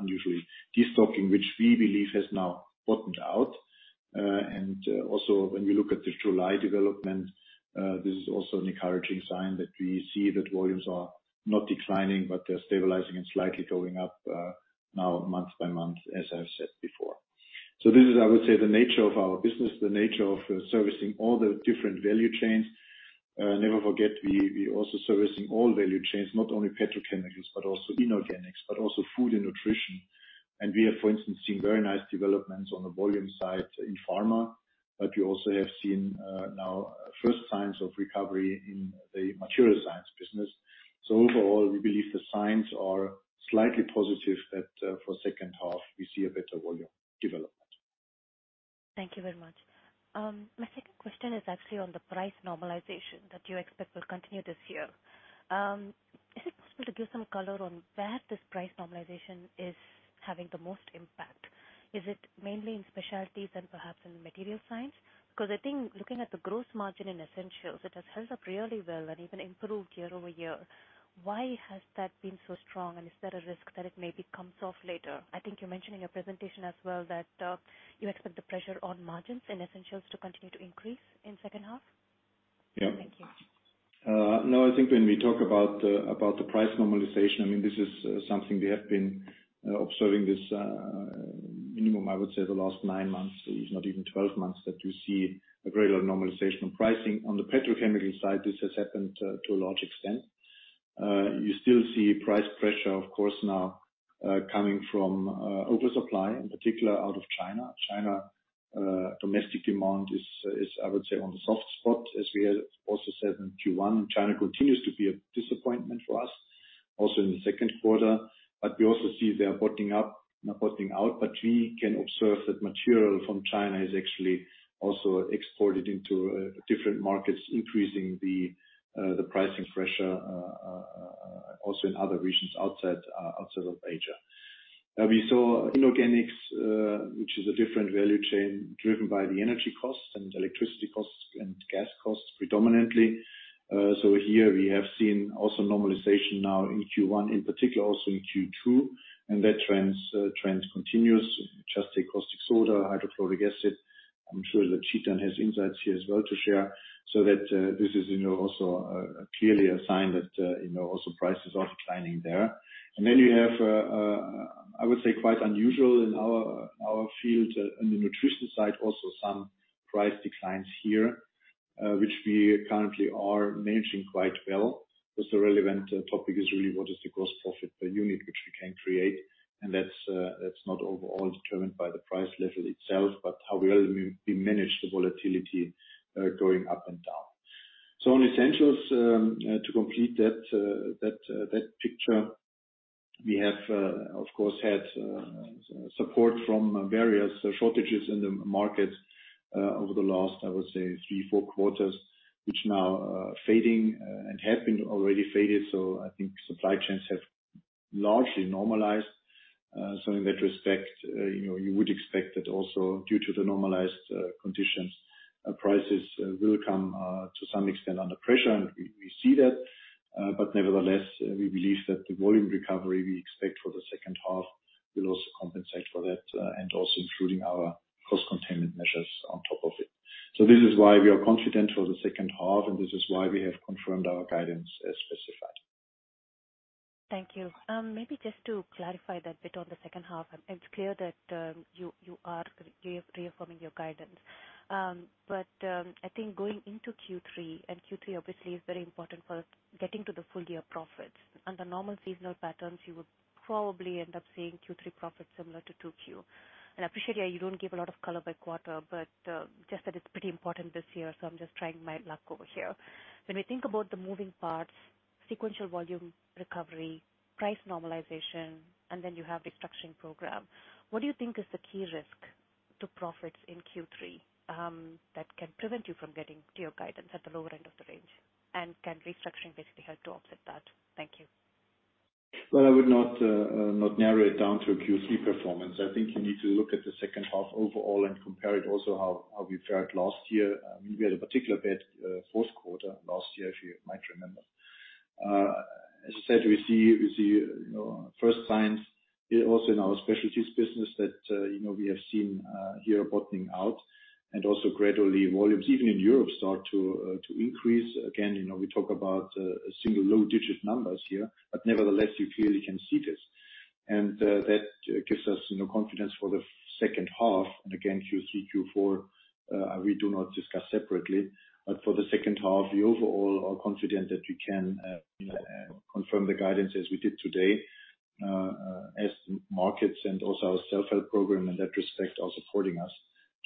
unusually destocking, which we believe has now bottomed out. Also when we look at the July development, this is also an encouraging sign that we see that volumes are not declining, but they're stabilizing and slightly going up now month-over-month, as I've said before. This is, I would say, the nature of our business, the nature of servicing all the different value chains. Never forget, we, we also servicing all value chains, not only petrochemicals, but also inorganics, but also food and nutrition. We have, for instance, seen very nice developments on the volume side in pharma, but we also have seen now first signs of recovery in the material science business. Overall, we believe the signs are slightly positive that for second half we see a better volume development. Thank you very much. My second question is actually on the price normalization that you expect will continue this year. Is it possible to give some color on where this price normalization is having the most impact? Is it mainly in Specialties and perhaps in Material Science? Because I think looking at the gross margin in Essentials, it has held up really well and even improved year-over-year. Why has that been so strong, and is there a risk that it maybe comes off later? I think you mentioned in your presentation as well, that you expect the pressure on margins and Essentials to continue to increase in second half. Yeah. Thank you. No, I think when we talk about the, about the price normalization, I mean, this is something we have been observing this minimum, I would say, the last nine months, if not even 12 months, that you see a very low normalization of pricing. On the petrochemical side, this has happened to a large extent. You still see price pressure, of course, now coming from oversupply, in particular, out of China. China domestic demand is, is, I would say, on the soft spot, as we had also said in Q1. China continues to be a disappointment for us, also in the second quarter. We also see they are bottoming up, not bottoming out, but we can observe that material from China is actually also exported into different markets, increasing the pricing pressure also in other regions outside outside of Asia. We saw inorganics, which is a different value chain, driven by the energy costs and electricity costs and gas costs predominantly. Here we have seen also normalization now in Q1, in particular also in Q2, and that trends trend continues. Just take caustic soda, hydrochloric acid. I'm sure that Chetan has insights here as well to share. That this is, you know, also clearly a sign that, you know, also prices are declining there. You have, I would say, quite unusual in our field, in the nutrition side, also some price declines here, which we currently are managing quite well. The relevant topic is really what is the gross profit per unit, which we can create? That's, that's not overall determined by the price level itself, but how well we, we manage the volatility going up and down. In essentials, to complete that, that, that picture, we have, of course, had support from various shortages in the market, over the last, I would say, three, four quarters, which now are fading and have been already faded. I think supply chains have largely normalized. In that respect, you know, you would expect that also due to the normalized conditions, prices will come to some extent under pressure, and we, we see that. Nevertheless, we believe that the volume recovery we expect for the second half will also compensate for that and also including our cost containment measures on top of it. This is why we are confident for the second half, and this is why we have confirmed our guidance as specified. Thank you. Maybe just to clarify that bit on the second half, it's clear that you, you are re-reaffirming your guidance. I think going into Q3, Q3 obviously is very important for getting to the full year profits. Under normal seasonal patterns, you would probably end up seeing Q3 profits similar to Q2. I appreciate you don't give a lot of color by quarter, but just that it's pretty important this year, so I'm just trying my luck over here. When we think about the moving parts, sequential volume recovery, price normalization, and then you have the structuring program, what do you think is the key risk to profits in Q3 that can prevent you from getting to your guidance at the lower end of the range? Can restructuring basically help to offset that? Thank you. Well, I would not, not narrow it down to a Q3 performance. I think you need to look at the second half overall and compare it also how, how we fared last year. We had a particular bad, fourth quarter last year, if you might remember. As I said, we see, we see, you know, first signs also in our specialties business that, you know, we have seen here bottoming out and also gradually volumes even in Europe start to increase. Again, you know, we talk about single low-digit numbers here, but nevertheless, you clearly can see this. That gives us, you know, confidence for the second half. Again, Q3, Q4, we do not discuss separately. For the second half, we overall are confident that we can confirm the guidance as we did today, as markets and also our self-help program in that respect, are supporting us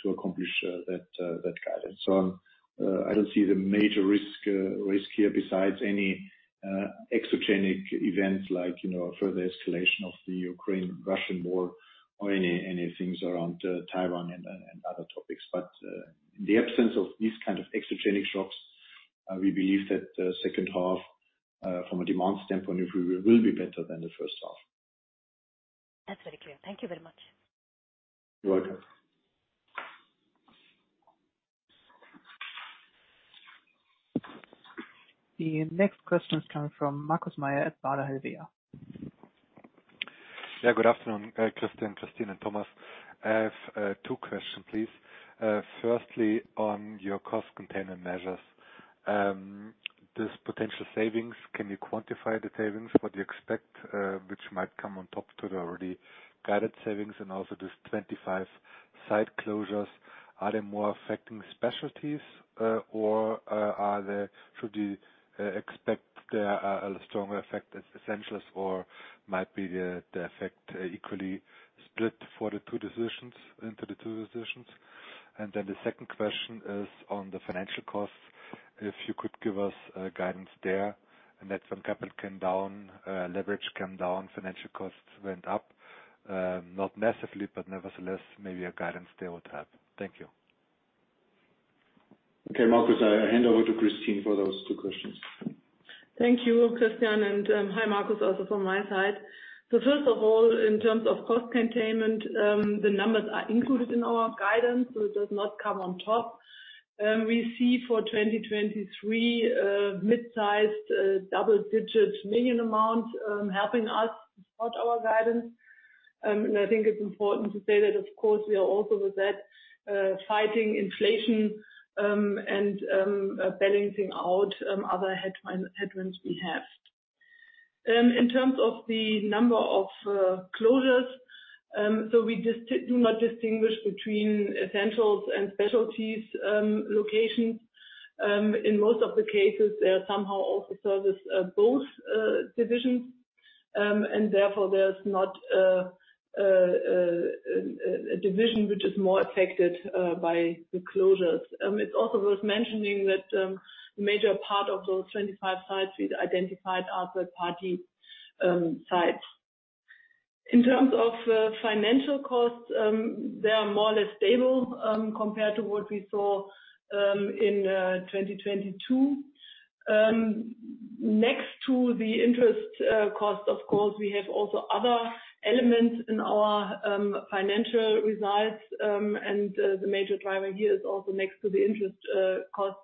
to accomplish that guidance. I don't see the major risk here besides any exogenic events like, you know, further escalation of the Ukraine-Russian war or any, any things around Taiwan and other topics. In the absence of this kind of exogenic shocks, we believe that the second half, from a demand standpoint, we will be better than the first half. That's very clear. Thank you very much. You're welcome. The next question is coming from Marcus Mayer at Baader Helvea. Yeah, good afternoon, Christian, Kristin, and Thomas. I have 2 questions, please. Firstly, on your cost containment measures, this potential savings, can you quantify the savings, what you expect, which might come on top to the already guided savings? Also, these 25 site closures, are they more affecting Specialties, or should we expect there are a stronger effect as Essentials or might be the, the effect equally split for the 2 decisions, into the 2 decisions? The 2nd question is on the financial costs, if you could give us a guidance there, that some capital came down, leverage came down, financial costs went up, not massively, but nevertheless, maybe a guidance there would help. Thank you. Okay, Marcus, I hand over to Kristin for those 2 questions. Thank you, Christian, and hi, Marcus, also from my side. First of all, in terms of cost containment, the numbers are included in our guidance, so it does not come on top. We see for 2023, mid-sized, double-digit million amounts, helping us support our guidance. And I think it's important to say that, of course, we are also with that, fighting inflation, and balancing out other headwinds we have. In terms of the number of closures, we just do not distinguish between Brenntag Essentials and Brenntag Specialties locations. In most of the cases, they are somehow also service, both, divisions. And therefore, there's not a division which is more affected by the closures. It's also worth mentioning that a major part of those 25 sites we identified are third-party sites. In terms of financial costs, they are more or less stable compared to what we saw in 2022. Next to the interest cost, of course, we have also other elements in our financial results. The major driver here is also next to the interest costs,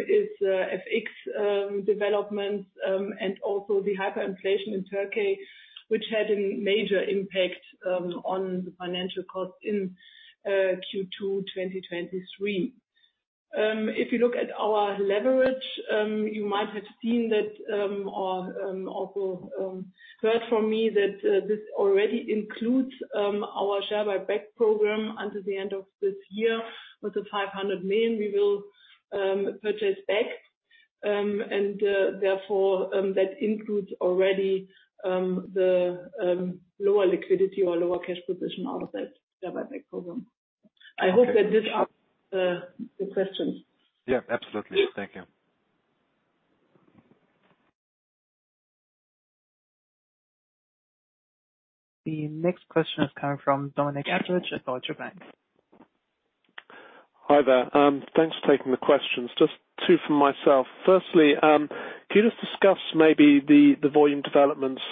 is FX developments, and also the hyperinflation in Turkey, which had a major impact on the financial costs in Q2 2023. If you look at our leverage, you might have seen that or also heard from me that this already includes our share buyback program until the end of this year. With the 500 million, we will purchase back, and therefore, that includes already the lower liquidity or lower cash position out of that share buyback program. I hope that this answers the questions. Yeah, absolutely. Thank you. The next question is coming from Dominic Edridge at Deutsche Bank. Hi there. Thanks for taking the questions. Just 2 from myself. Firstly, can you just discuss maybe the, the volume developments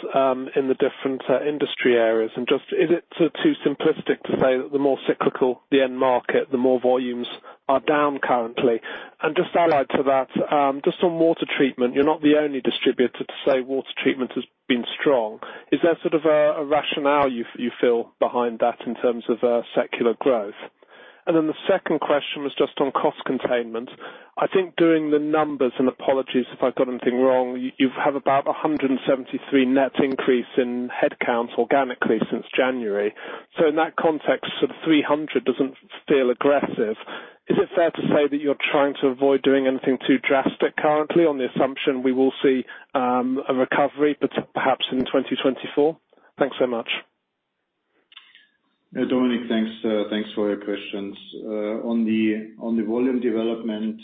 in the different industry areas? Is it too simplistic to say that the more cyclical the end market, the more volumes are down currently? Just allied to that, just on water treatment, you're not the only distributor to say water treatment has been strong. Is there sort of a, a rationale you, you feel behind that in terms of secular growth? The second question was just on cost containment. I think doing the numbers, and apologies if I've got anything wrong, you've have about 173 net increase in headcounts organically since January. In that context, sort of 300 doesn't feel aggressive. Is it fair to say that you're trying to avoid doing anything too drastic currently on the assumption we will see, a recovery, but perhaps in 2024? Thanks so much. Dominic, thanks, thanks for your questions. On the, on the volume development,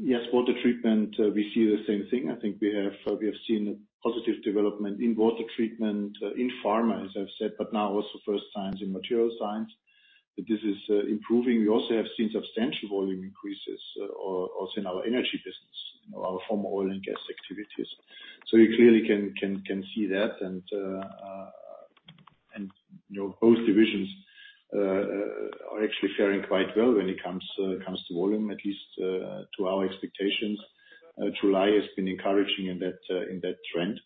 yes, water treatment, we see the same thing. I think we have, we have seen a positive development in water treatment, in pharma, as I've said, but now also first times in material science, that this is improving. We also have seen substantial volume increases, or also in our energy business, in our former oil and gas activities. You clearly can, can, can see that. You know, both divisions, are actually faring quite well when it comes, comes to volume, at least, to our expectations. July has been encouraging in that, in that trend.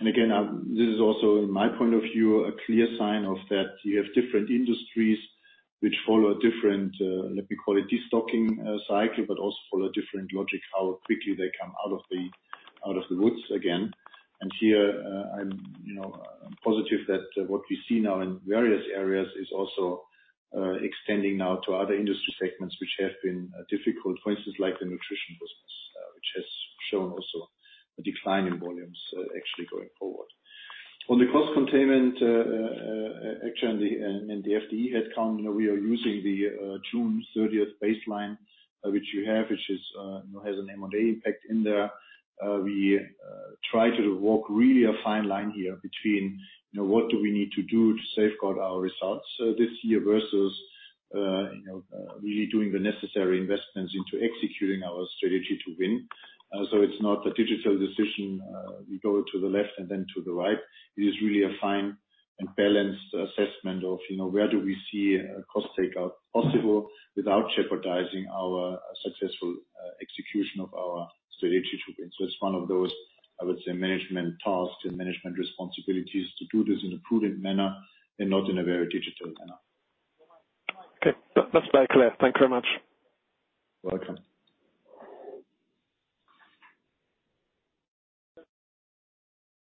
Again, this is also, in my point of view, a clear sign of that you have different industries which follow a different, let me call it, destocking cycle, but also follow a different logic, how quickly they come out of the woods again. Here, I'm, you know, I'm positive that what we see now in various areas is also extending now to other industry segments, which have been difficult. For instance, like the nutrition business, which has shown also a decline in volumes, actually going forward. On the cost containment, actually, in the FTE headcount, you know, we are using the June 30th baseline, which you have, which is, you know, has an M&A impact in there. We try to walk really a fine line here between, you know, what do we need to do to safeguard our results this year versus, you know, really doing the necessary investments into executing our Strategy to Win. So, it's not a digital decision, we go to the left and then to the right. It is really a fine and balanced assessment of, you know, where do we see cost takeout possible without jeopardizing our successful execution of our Strategy to Win. It's one of those, I would say, management tasks and management responsibilities, to do this in a prudent manner and not in a very digital manner. Okay. That, that's very clear. Thank you very much. Welcome.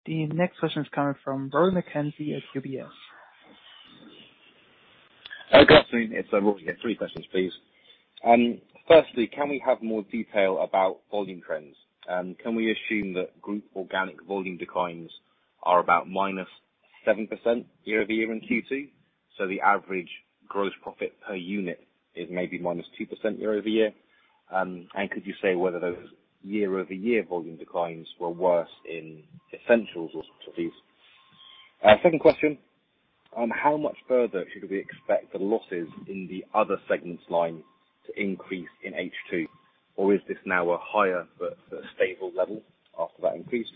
The next question is coming from Ron Sheridan at UBS. Hi, Kristin, it's Ron again. 3 questions, please. Firstly, can we have more detail about volume trends? Can we assume that group organic volume declines are about -7% year-over-year in Q2, so the average gross profit per unit is maybe -2% year-over-year? Could you say whether those year-over-year volume declines were worse in Essentials or Specialties? Second question, how much further should we expect the losses in the other segments line to increase in H2? Is this now a higher but, but stable level after that increase?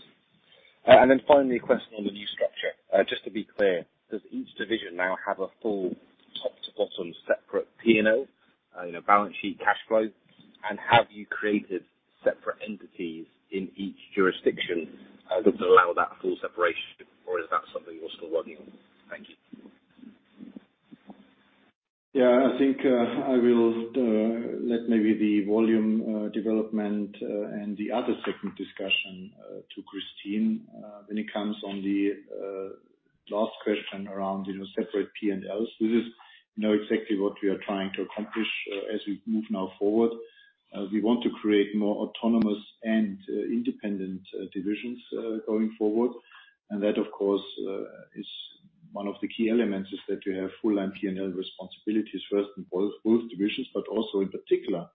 Finally, a question on the new structure. Just to be clear, does each division now have a full top-to-bottom separate P&L, you know, balance sheet, cash flow? Have you created separate entities in each jurisdiction that allow that full separation, or is that something you're still working on? Thank you. Yeah, I think, I will let maybe the volume development and the other segment discussion to Kristin. When it comes on the last question around, you know, separate P&Ls, this is, you know, exactly what we are trying to accomplish as we move now forward. We want to create more autonomous and independent divisions going forward. That, of course, is one of the key elements, is that we have full P&L responsibilities, first, in both, both divisions, but also in particular,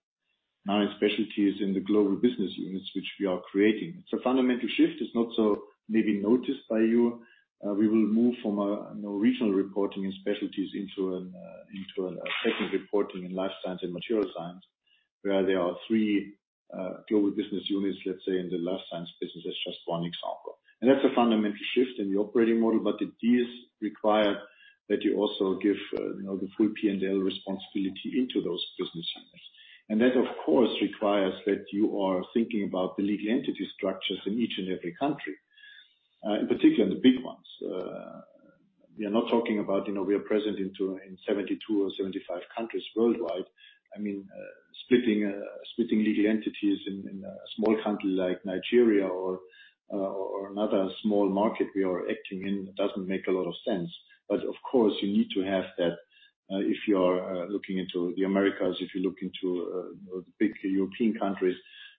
now in Specialties in the global business units, which we are creating. It's a fundamental shift; it's not so maybe noticed by you. We will move from a, you know, regional reporting in specialties into a segment reporting in life science and material science, where there are three global business units, let's say, in the life science business, that's just one example. That's a fundamental shift in the operating model, but it is required that you also give, you know, the full P&L responsibility into those business units. That, of course, requires that you are thinking about the legal entity structures in each and every country, in particular, the big ones. We are not talking about, you know, we are present in 72 or 75 countries worldwide. I mean, splitting, splitting legal entities in, in a small country like Nigeria or another small market we are acting in, doesn't make a lot of sense. Of course, you need to have that if you are looking into the Americas, if you're looking to the big European countries.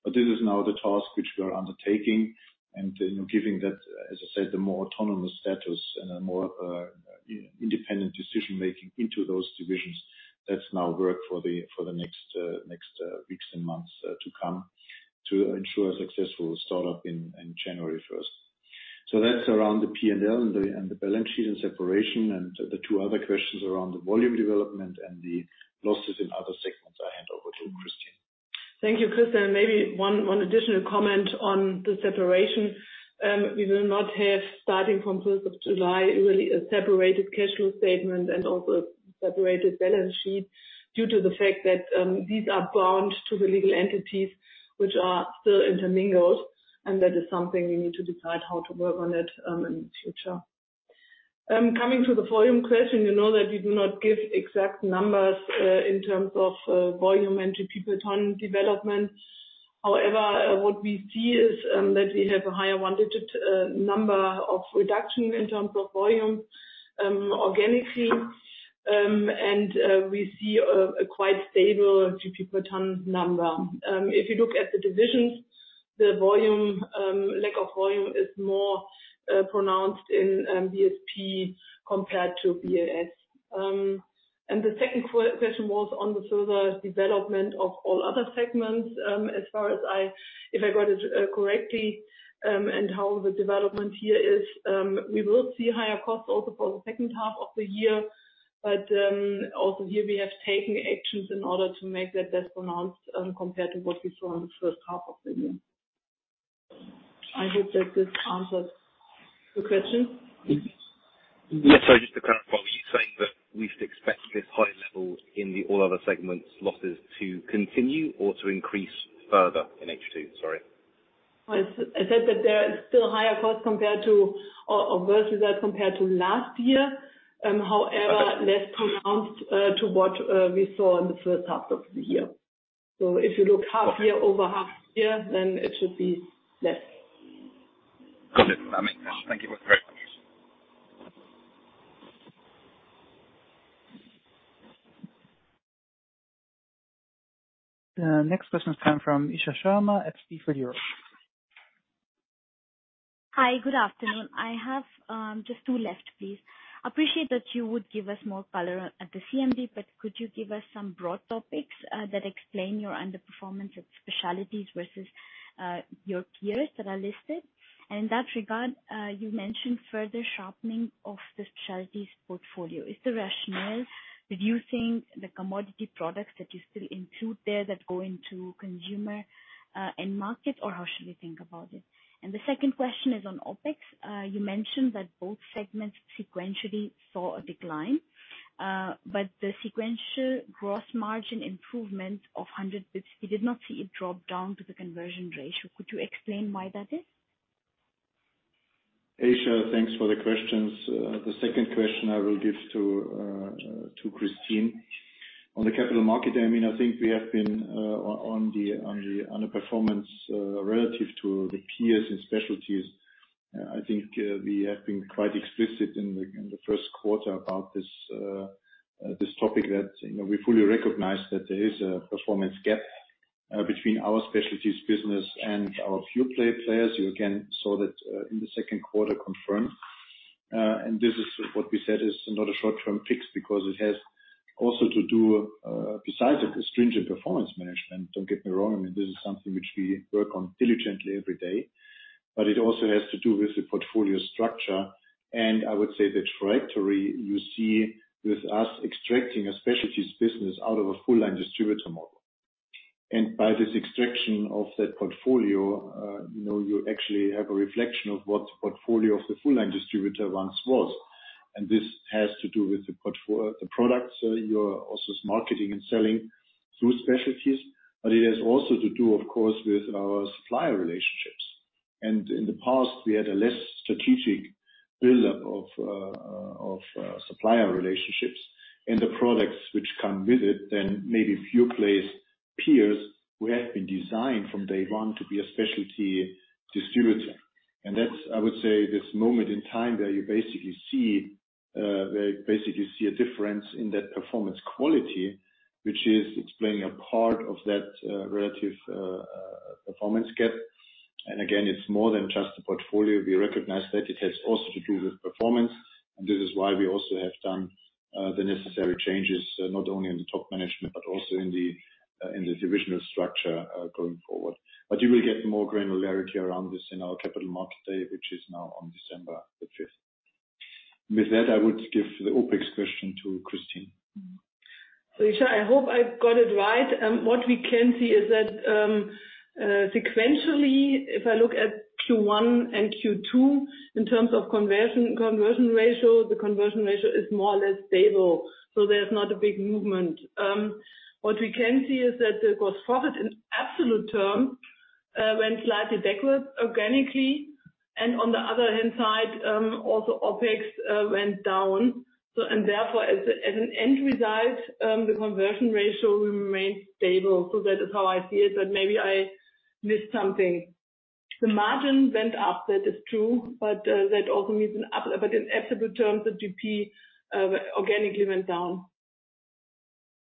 This is now the task which we are undertaking, and, you know, giving that, as I said, the more autonomous status and a more independent decision-making into those divisions, that's now work for the next weeks and months to come, to ensure a successful startup in January first. That's around the P&L and the balance sheet and separation, and the two other questions around the volume development and the losses in other segments, I hand over to Kristin. Thank you, Christian. Maybe one, one additional comment on the separation. We will not have, starting from July 1, really a separated cash flow statement and also separated balance sheet, due to the fact that these are bound to the legal entities which are still intermingled, and that is something we need to decide how to work on it in the future. Coming to the volume question, you know that we do not give exact numbers in terms of volume and PPG ton development. However, what we see is that we have a higher 1-digit number of reduction in terms of volume organically. And we see a quite stable PPG ton number. If you look at the divisions, the volume, lack of volume is more pronounced in BSP compared to BES. The second question was on the further development of all other segments, as far as I if I got it correctly, and how the development here is, we will see higher costs also for the second half of the year. Here we have taken actions in order to make that less pronounced, compared to what we saw in the first half of the year. I hope that this answered the question. Yes. Just to clarify, were you saying that we should expect this high level in all other segments losses to continue or to increase further in H2? Sorry. I said that there is still higher costs compared to, or worse results compared to last year. However. Okay. less pronounced, to what, we saw in the first half of the year. If you look half year over half year, then it should be less. Got it. That makes sense. Thank you both very much. The next question is coming from Isha Sharma at Jefferies. Hi, good afternoon. I have just two left, please. Appreciate that you would give us more color at the CMD. Could you give us some broad topics that explain your underperformance of specialties versus your peers that are listed? In that regard, you mentioned further sharpening of the specialties portfolio. Is the rationale reducing the commodity products that you still include there, that go into consumer end market, or how should we think about it? The second question is on OpEx. You mentioned that both segments sequentially saw a decline, but the sequential gross margin improvement of 100 basis points, we did not see it drop down to the conversion ratio. Could you explain why that is? Isha, thanks for the questions. The second question I will give to Kristin Neumann. On the capital market, I mean, I think we have been on the performance relative to the peers in Specialties. I think we have been quite explicit in the first quarter about this topic, that, you know, we fully recognize that there is a performance gap between our Specialties business and our pure-play peers. You again saw that in the second quarter confirmed. And this is what we said is not a short-term fix, because it has also to do besides the stringent performance management, don't get me wrong, I mean, this is something which we work on diligently every day, but it also has to do with the portfolio structure. I would say the trajectory you see with us extracting a specialties business out of a full-line distributor model. By this extraction of that portfolio, you know, you actually have a reflection of what the portfolio of the full-line distributor once was. This has to do with the products you're also marketing and selling through specialties, but it has also to do, of course, with our supplier relationships. In the past, we had a less strategic build-up of supplier relationships and the products which come with it, then maybe pure-play peers who have been designed from day one to be a specialty distributor. That's, I would say, this moment in time, where you basically see, where you basically see a difference in that performance quality, which is explaining a part of that relative performance gap. Again, it's more than just the portfolio. We recognize that it has also to do with performance, and this is why we also have done the necessary changes, not only in the top management, but also in the in the divisional structure going forward. You will get more granularity around this in our Capital Markets Day, which is now on December the fifth. With that, I would give the OpEx question to Kristin. Isha, I hope I've got it right. What we can see is that sequentially, if I look at Q1 and Q2, in terms of conversion, conversion ratio, the conversion ratio is more or less stable, so there's not a big movement. What we can see is that the gross profit in absolute term went slightly backwards organically, and on the other hand side, also, OpEx went down. And therefore, as an end result, the conversion ratio remained stable. That is how I see it, but maybe I missed something. The margin went up, that is true, but that also means in absolute terms, the GP organically went down.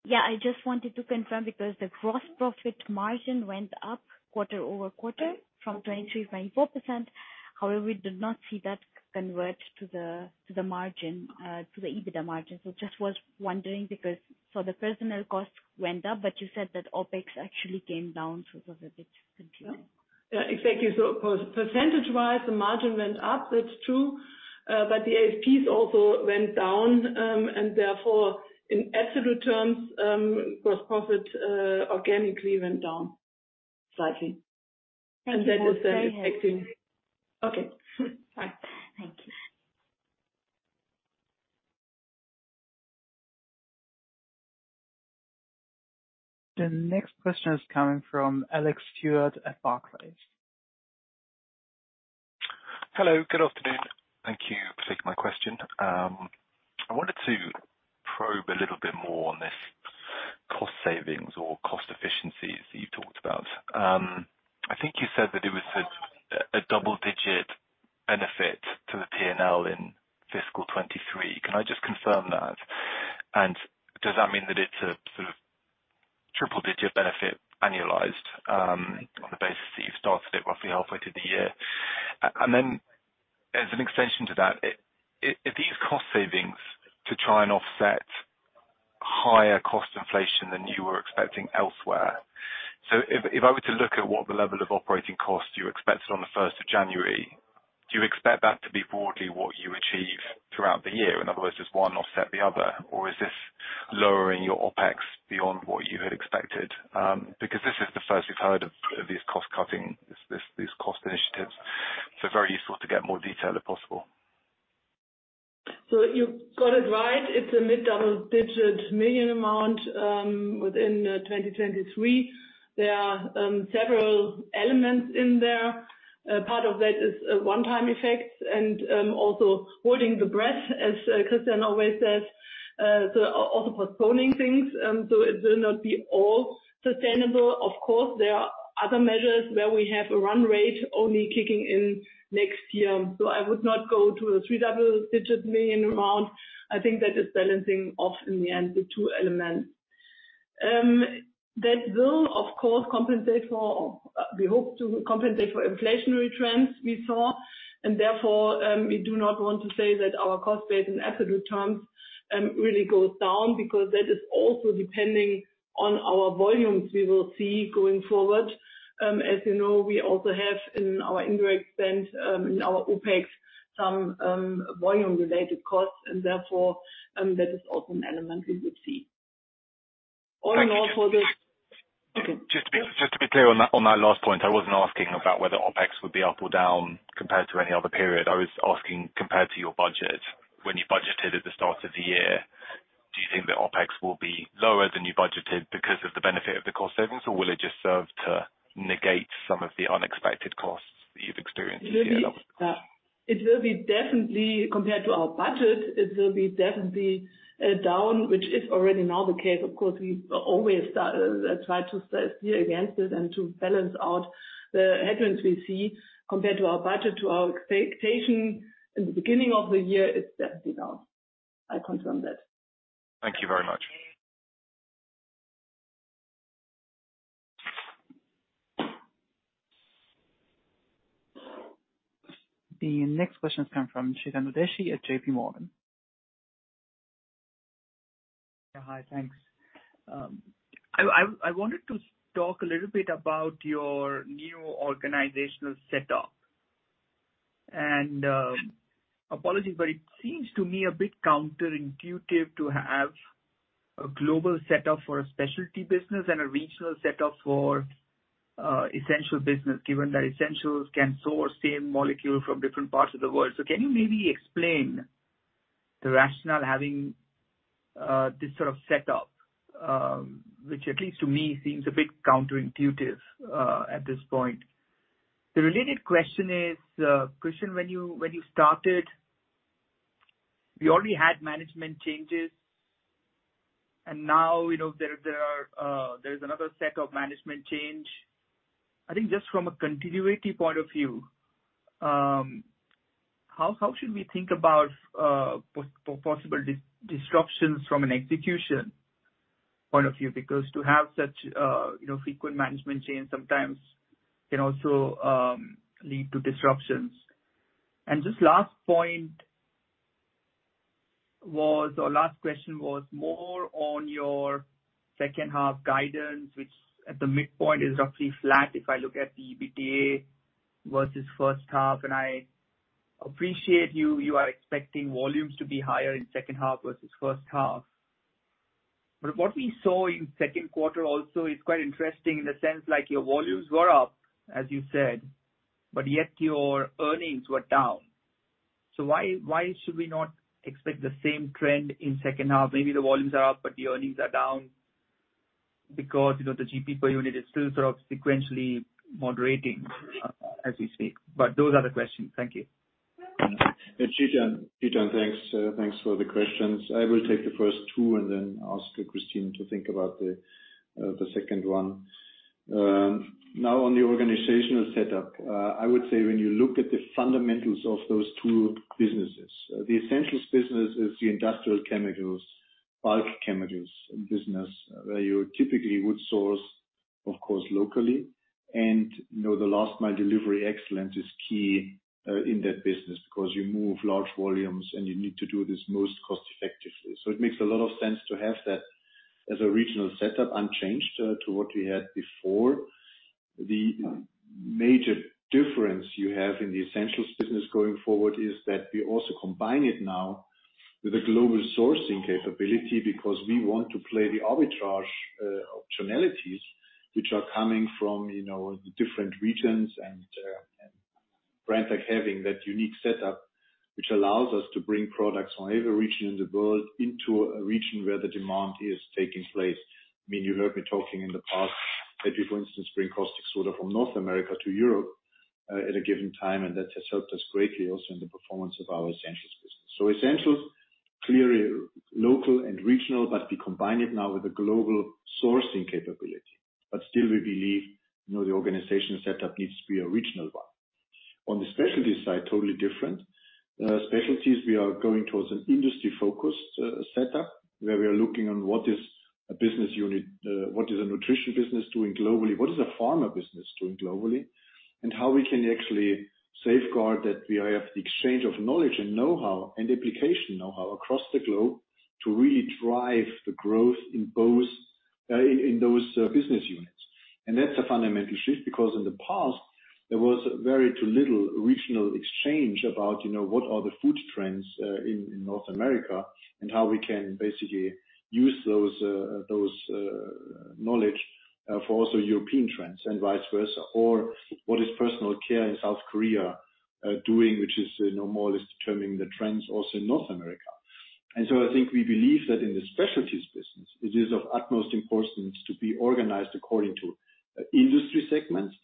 Yeah, I just wanted to confirm, because the gross profit margin went up quarter-over-quarter, from 23% to 24%. However, we did not see that convert to the, to the margin, to the EBITDA margin. Just was wondering, because so the personnel costs went up, but you said that OpEx actually came down, so it was a bit unclear. Yeah, exactly. Percentage-wise, the margin went up, that's true. The ASPs also went down, therefore, in absolute terms, gross profit organically went down slightly. Thank you very much. that is the affecting... Okay. Bye. Thank you. The next question is coming from Alex Stewart at Barclays. Hello, good afternoon. Thank you for taking my question. I wanted to probe a little bit more on this cost savings or cost efficiencies that you talked about. I think you said that it was a double-digit benefit to the P&L in fiscal 2023. Can I just confirm that? Does that mean that it's a sort of triple-digit benefit, annualized, on the basis that you've started it roughly halfway through the year? As an extension to that, are these cost savings to try and offset higher cost inflation than you were expecting elsewhere? If I were to look at what the level of operating costs you expected on the 1st of January, do you expect that to be broadly what you achieve throughout the year? In other words, does one offset the other? Is this lowering your OpEx beyond what you had expected? Because this is the first we've heard of, of these cost cutting, these cost initiatives. Very useful to get more detail, if possible. You've got it right. It's a mid-double-digit million amount within 2023. There are several elements in there. Part of that is a one-time effect, and also holding the breath, as Christian always says, so also postponing things. So, it will not be all sustainable. Of course, there are other measures where we have a run rate only kicking in next year, so I would not go to a 3 double digit million amount. I think that is balancing off in the end, the two elements. That will, of course, compensate for, we hope to compensate for inflationary trends we saw, and therefore, we do not want to say that our cost base in absolute terms really goes down, because that is also depending on our volumes we will see going forward. As you know, we also have in our indirect spend, in our OpEx, some volume-related costs, and therefore, that is also an element we will see. All in all, okay. Just to be clear on that, on that last point, I wasn't asking about whether OpEx would be up or down compared to any other period. I was asking compared to your budget. When you budgeted at the start of the year, do you think the OpEx will be lower than you budgeted because of the benefit of the cost savings, or will it just serve to negate some of the unexpected costs that you've experienced this year? It will be, it will be definitely compared to our budget, it will be definitely down, which is already now the case. Of course, we always try to steer against it and to balance out the headwinds we see compared to our budget, to our expectation in the beginning of the year, it's definitely down. I confirm that. Thank you very much. The next question has come from Chetan Udeshi at J.P. Morgan. Yeah. Hi, thanks. I wanted to talk a little bit about your new organizational setup. Apologies, but it seems to me a bit counterintuitive to have a global setup for a specialty business and a regional setup for essential business, given that essentials can source same molecule from different parts of the world. Can you maybe explain the rationale having this sort of setup, which at least to me, seems a bit counterintuitive at this point? The related question is, question when you, when you started, you already had management changes, and now, you know, there, there are, there's another set of management change. I think just from a continuity point of view, how, how should we think about possible disruptions from an execution point of view? Because to have such, you know, frequent management change sometimes can also lead to disruptions. Just last point was, or last question was more on your second half guidance, which at the midpoint is roughly flat, if I look at the EBITDA versus first half, and I appreciate you, you are expecting volumes to be higher in second half versus first half. What we saw in second quarter also is quite interesting in the sense like your volumes were up, as you said, but yet your earnings were down. Why, why should we not expect the same trend in second half? Maybe the volumes are up, but the earnings are down because, you know, the GP per unit is still sort of sequentially moderating as you speak. Those are the questions. Thank you. Yeah, Chetan, Chetan, thanks, thanks for the questions. I will take the first two and then ask Kristin to think about the second one. Now, on the organizational setup, I would say when you look at the fundamentals of those two businesses, the Essentials Business is the industrial chemicals, bulk chemicals business, where you typically would source, of course, locally. You know, the last mile delivery excellence is key in that business because you move large volumes, and you need to do this most cost effectively. It makes a lot of sense to have that as a regional setup, unchanged, to what we had before. The major difference you have in the essentials business going forward is that we also combine it now with a global sourcing capability, because we want to play the arbitrage opportunities which are coming from, you know, the different regions and Franck having that unique setup, which allows us to bring products from every region in the world into a region where the demand is taking place. I mean, you heard me talking in the past, that we, for instance, bring caustic soda from North America to Europe at a given time, and that has helped us greatly also in the performance of our essentials business. Essentials, clearly local and regional, but we combine it now with a global sourcing capability. Still, we believe the organizational setup needs to be a regional one. On the specialty side, totally different. Specialties, we are going towards an industry-focused setup, where we are looking on what is a business unit, what is a nutrition business doing globally, what is a pharma business doing globally, and how we can actually safeguard that we have the exchange of knowledge and know-how and application know-how across the globe to really drive the growth in both, in, in those business units. That's a fundamental shift, because in the past, there was very too little regional exchange about, you know, what are the food trends in, in North America, and how we can basically use those, those knowledge for also European trends and vice versa, or what is personal care in South Korea doing, which is, you know, more or less determining the trends also in North America. I think we believe that in the Specialties business, it is of utmost importance to be organized according to industry segments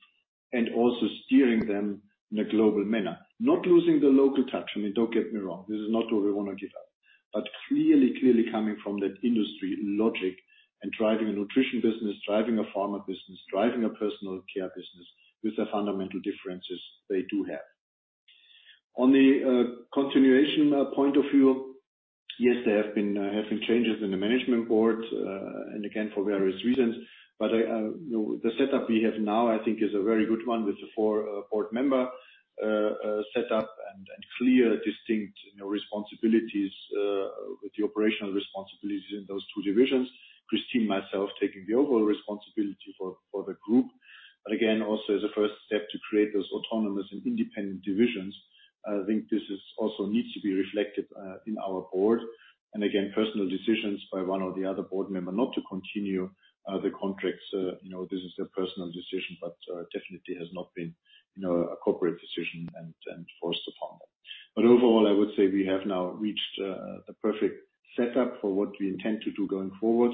and also steering them in a global manner, not losing the local touch. I mean, don't get me wrong, this is not what we want to give up. Clearly, clearly coming from that industry logic and driving a nutrition business, driving a pharma business, driving a personal care business with the fundamental differences they do have. On the continuation point of view, yes, there have been changes in the Management Board, and again, for various reasons. I, you know, the setup we have now, I think, is a very good one with the four Board member setup and, and clear, distinct, you know, responsibilities with the operational responsibilities in those two divisions. Kristin, myself, taking the overall responsibility for, for the group. Again, also as a first step to create those autonomous and independent divisions. I think this is also needs to be reflected in our board. Again, personal decisions by one or the other board member not to continue the contracts, you know, this is a personal decision, but definitely has not been, you know, a corporate decision and, and forced upon them. Overall, I would say we have now reached the perfect setup for what we intend to do going forward.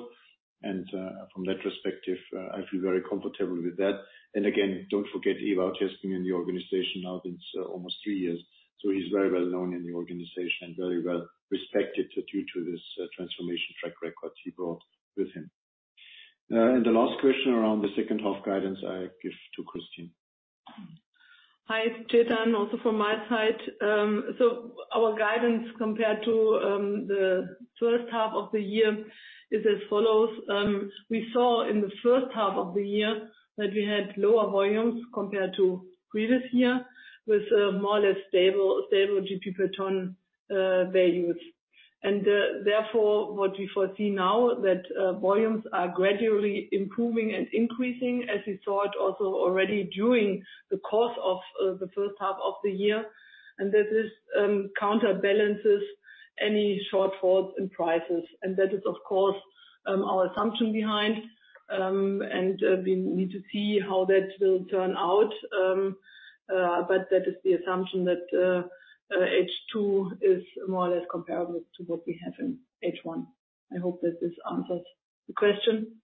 From that perspective, I feel very comfortable with that. Again, don't forget Ivan Teske in the organization now, it's almost 3 years, so he's very well known in the organization and very well respected due to his transformation track record he brought with him. The last question around the second half guidance, I give to Kristin. Hi, Chetan. Also from my side, our guidance compared to the first half of the year is as follows. We saw in the first half of the year that we had lower volumes compared to previous year, with a more or less stable, stable GP per ton values. Therefore, what we foresee now that volumes are gradually improving and increasing, as we saw it also already during the course of the first half of the year, and that is counterbalances any shortfalls in prices. That is, of course, our assumption behind, and we need to see how that will turn out. That is the assumption that H2 is more or less comparable to what we have in H1. I hope that this answers the question.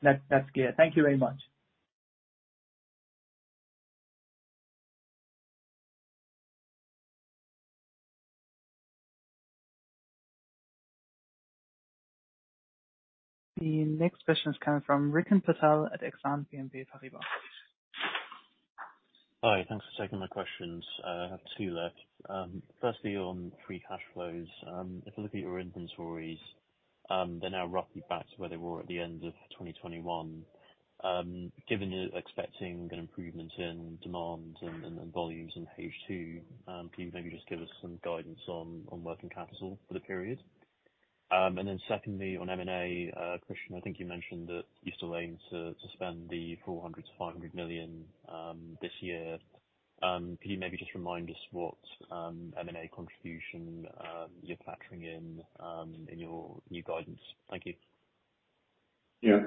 That's, that's clear. Thank you very much. The next question is coming from Rikin Patel at Exane BNP Paribas. Hi, thanks for taking my questions. I have two left. Firstly, on free cash flows. If I look at your inventories, they're now roughly back to where they were at the end of 2021. Given you're expecting an improvement in demand and, and, and volumes in H2, can you maybe just give us some guidance on, on working capital for the period? Secondly, on M&A, Christian, I think you mentioned that you're still aiming to, to spend the 400 million-500 million this year. Could you maybe just remind us what M&A contribution you're factoring in in your new guidance? Thank you. Yeah.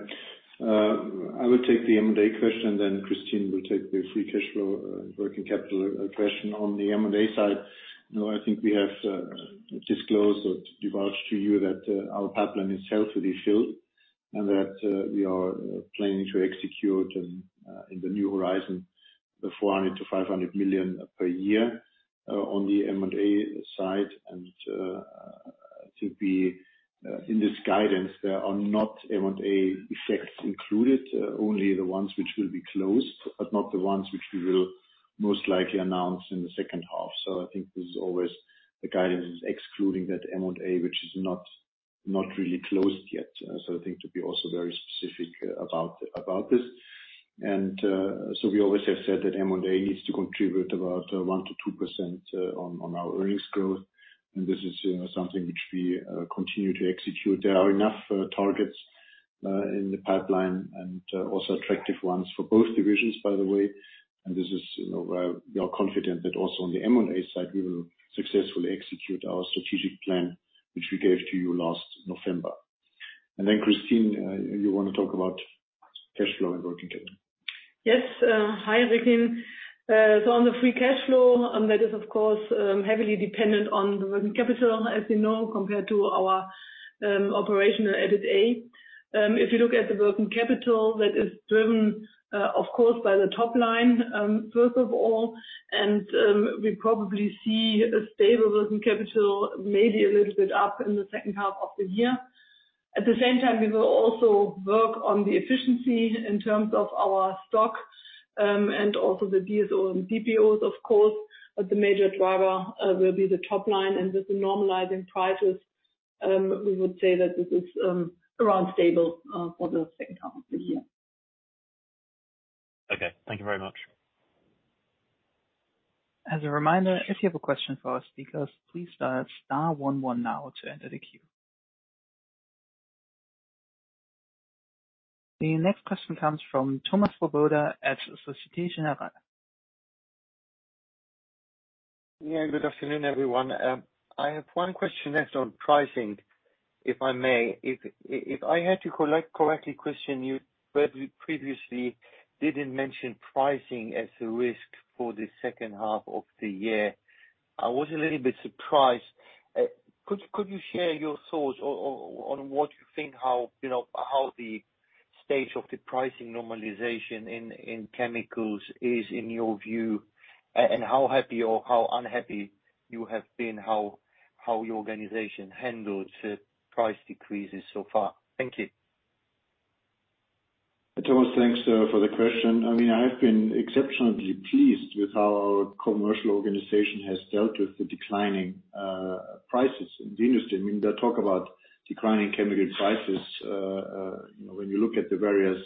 I will take the M&A question, Kristin will take the free cash flow, working capital question. On the M&A side, you know, I think we have disclosed or divulged to you that our pipeline is healthily filled, and that we are planning to execute and in the new horizon, the 400 million-500 million per year on the M&A side. To be in this guidance, there are not M&A effects included, only the ones which will be closed, but not the ones which we will most likely announce in the second half. I think this is always the guidance is excluding that M&A, which is not really closed yet. I think to be also very specific about this. We always have said that M&A needs to contribute about 1%-2% on our earnings growth, and this is, you know, something which we continue to execute. There are enough targets in the pipeline and also attractive ones for both divisions, by the way. This is, you know, we are confident that also on the M&A side, we will successfully execute our strategic plan, which we gave to you last November. Kristin, you want to talk about cash flow and working capital? Hi, Rikin. On the free cash flow, that is, of course, heavily dependent on the working capital, as you know, compared to our operational EBITA. If you look at the working capital, that is driven, of course, by the top line, first of all, we probably see a stable working capital, maybe a little bit up in the second half of the year. At the same time, we will also work on the efficiency in terms of our stock, and also the DSOs and DPOs, of course, the major driver will be the top line and with the normalizing prices, we would say that this is around stable for the second half of the year. Okay. Thank you very much. As a reminder, if you have a question for our speakers, please dial star one one now to enter the queue. The next question comes from Thomas Pobuda at Societe Generale. Yeah, good afternoon, everyone. I have one question that's on pricing, if I may. If, if I had to collect correctly question you, you previously didn't mention pricing as a risk for the second half of the year, I was a little bit surprised. Could, could you share your thoughts on what you think, how, you know, how the stage of the pricing normalization in chemicals is in your view, and how happy or how unhappy you have been, how your organization handles the price decreases so far? Thank you. Thomas, thanks for the question. I mean, I have been exceptionally pleased with how our commercial organization has dealt with the declining prices in the industry. I mean, they talk about declining chemical prices, you know, when you look at the various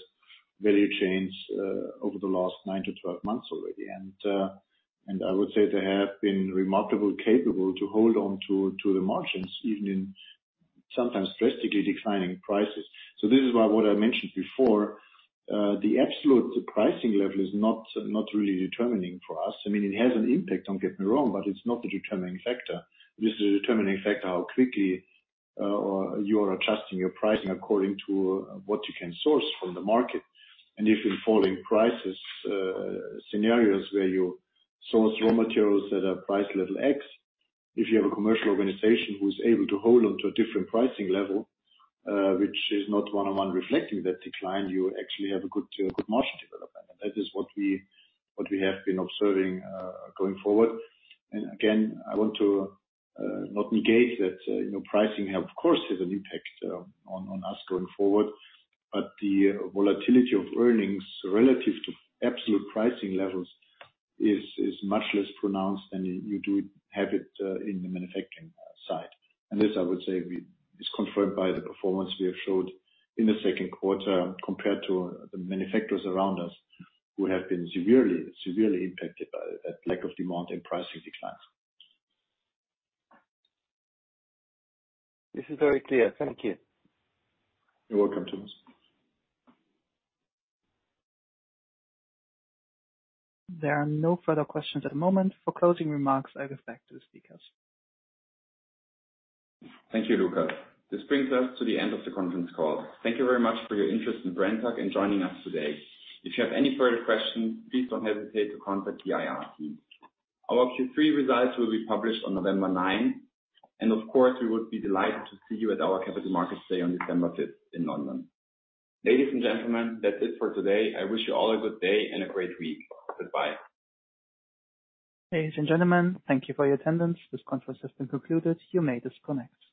value chains, over the last 9 to 12 months already, and I would say they have been remarkably capable to hold on to, to the margins, even sometimes drastically declining prices. This is why, what I mentioned before, the absolute pricing level is not, not really determining for us. I mean, it has an impact, don't get me wrong, but it's not the determining factor. This is a determining factor, how quickly, or you are adjusting your pricing according to what you can source from the market. If in falling prices, scenarios where you source raw materials that are price level X, if you have a commercial organization who's able to hold them to a different pricing level, which is not one-on-one reflecting that decline, you actually have a good, good margin development. That is what we, what we have been observing, going forward. Again, I want to not negate that, you know, pricing, of course, has an impact on us going forward. The volatility of earnings relative to absolute pricing levels is, is much less pronounced than you do have it in the manufacturing side. This, I would say, is confirmed by the performance we have showed in the second quarter, compared to the manufacturers around us, who have been severely, severely impacted by that lack of demand and pricing declines. This is very clear. Thank you. You're welcome, Thomas. There are no further questions at the moment. For closing remarks, I give back to the speakers. Thank you, Lucas. This brings us to the end of the conference call. Thank you very much for your interest in Brenntag and joining us today. If you have any further questions, please don't hesitate to contact the IR team. Our Q3 results will be published on November 9, and of course, we would be delighted to see you at our Capital Markets Day on December 5 in London. Ladies and gentlemen, that's it for today. I wish you all a good day and a great week. Goodbye. Ladies and gentlemen, thank you for your attendance. This conference has been concluded. You may disconnect.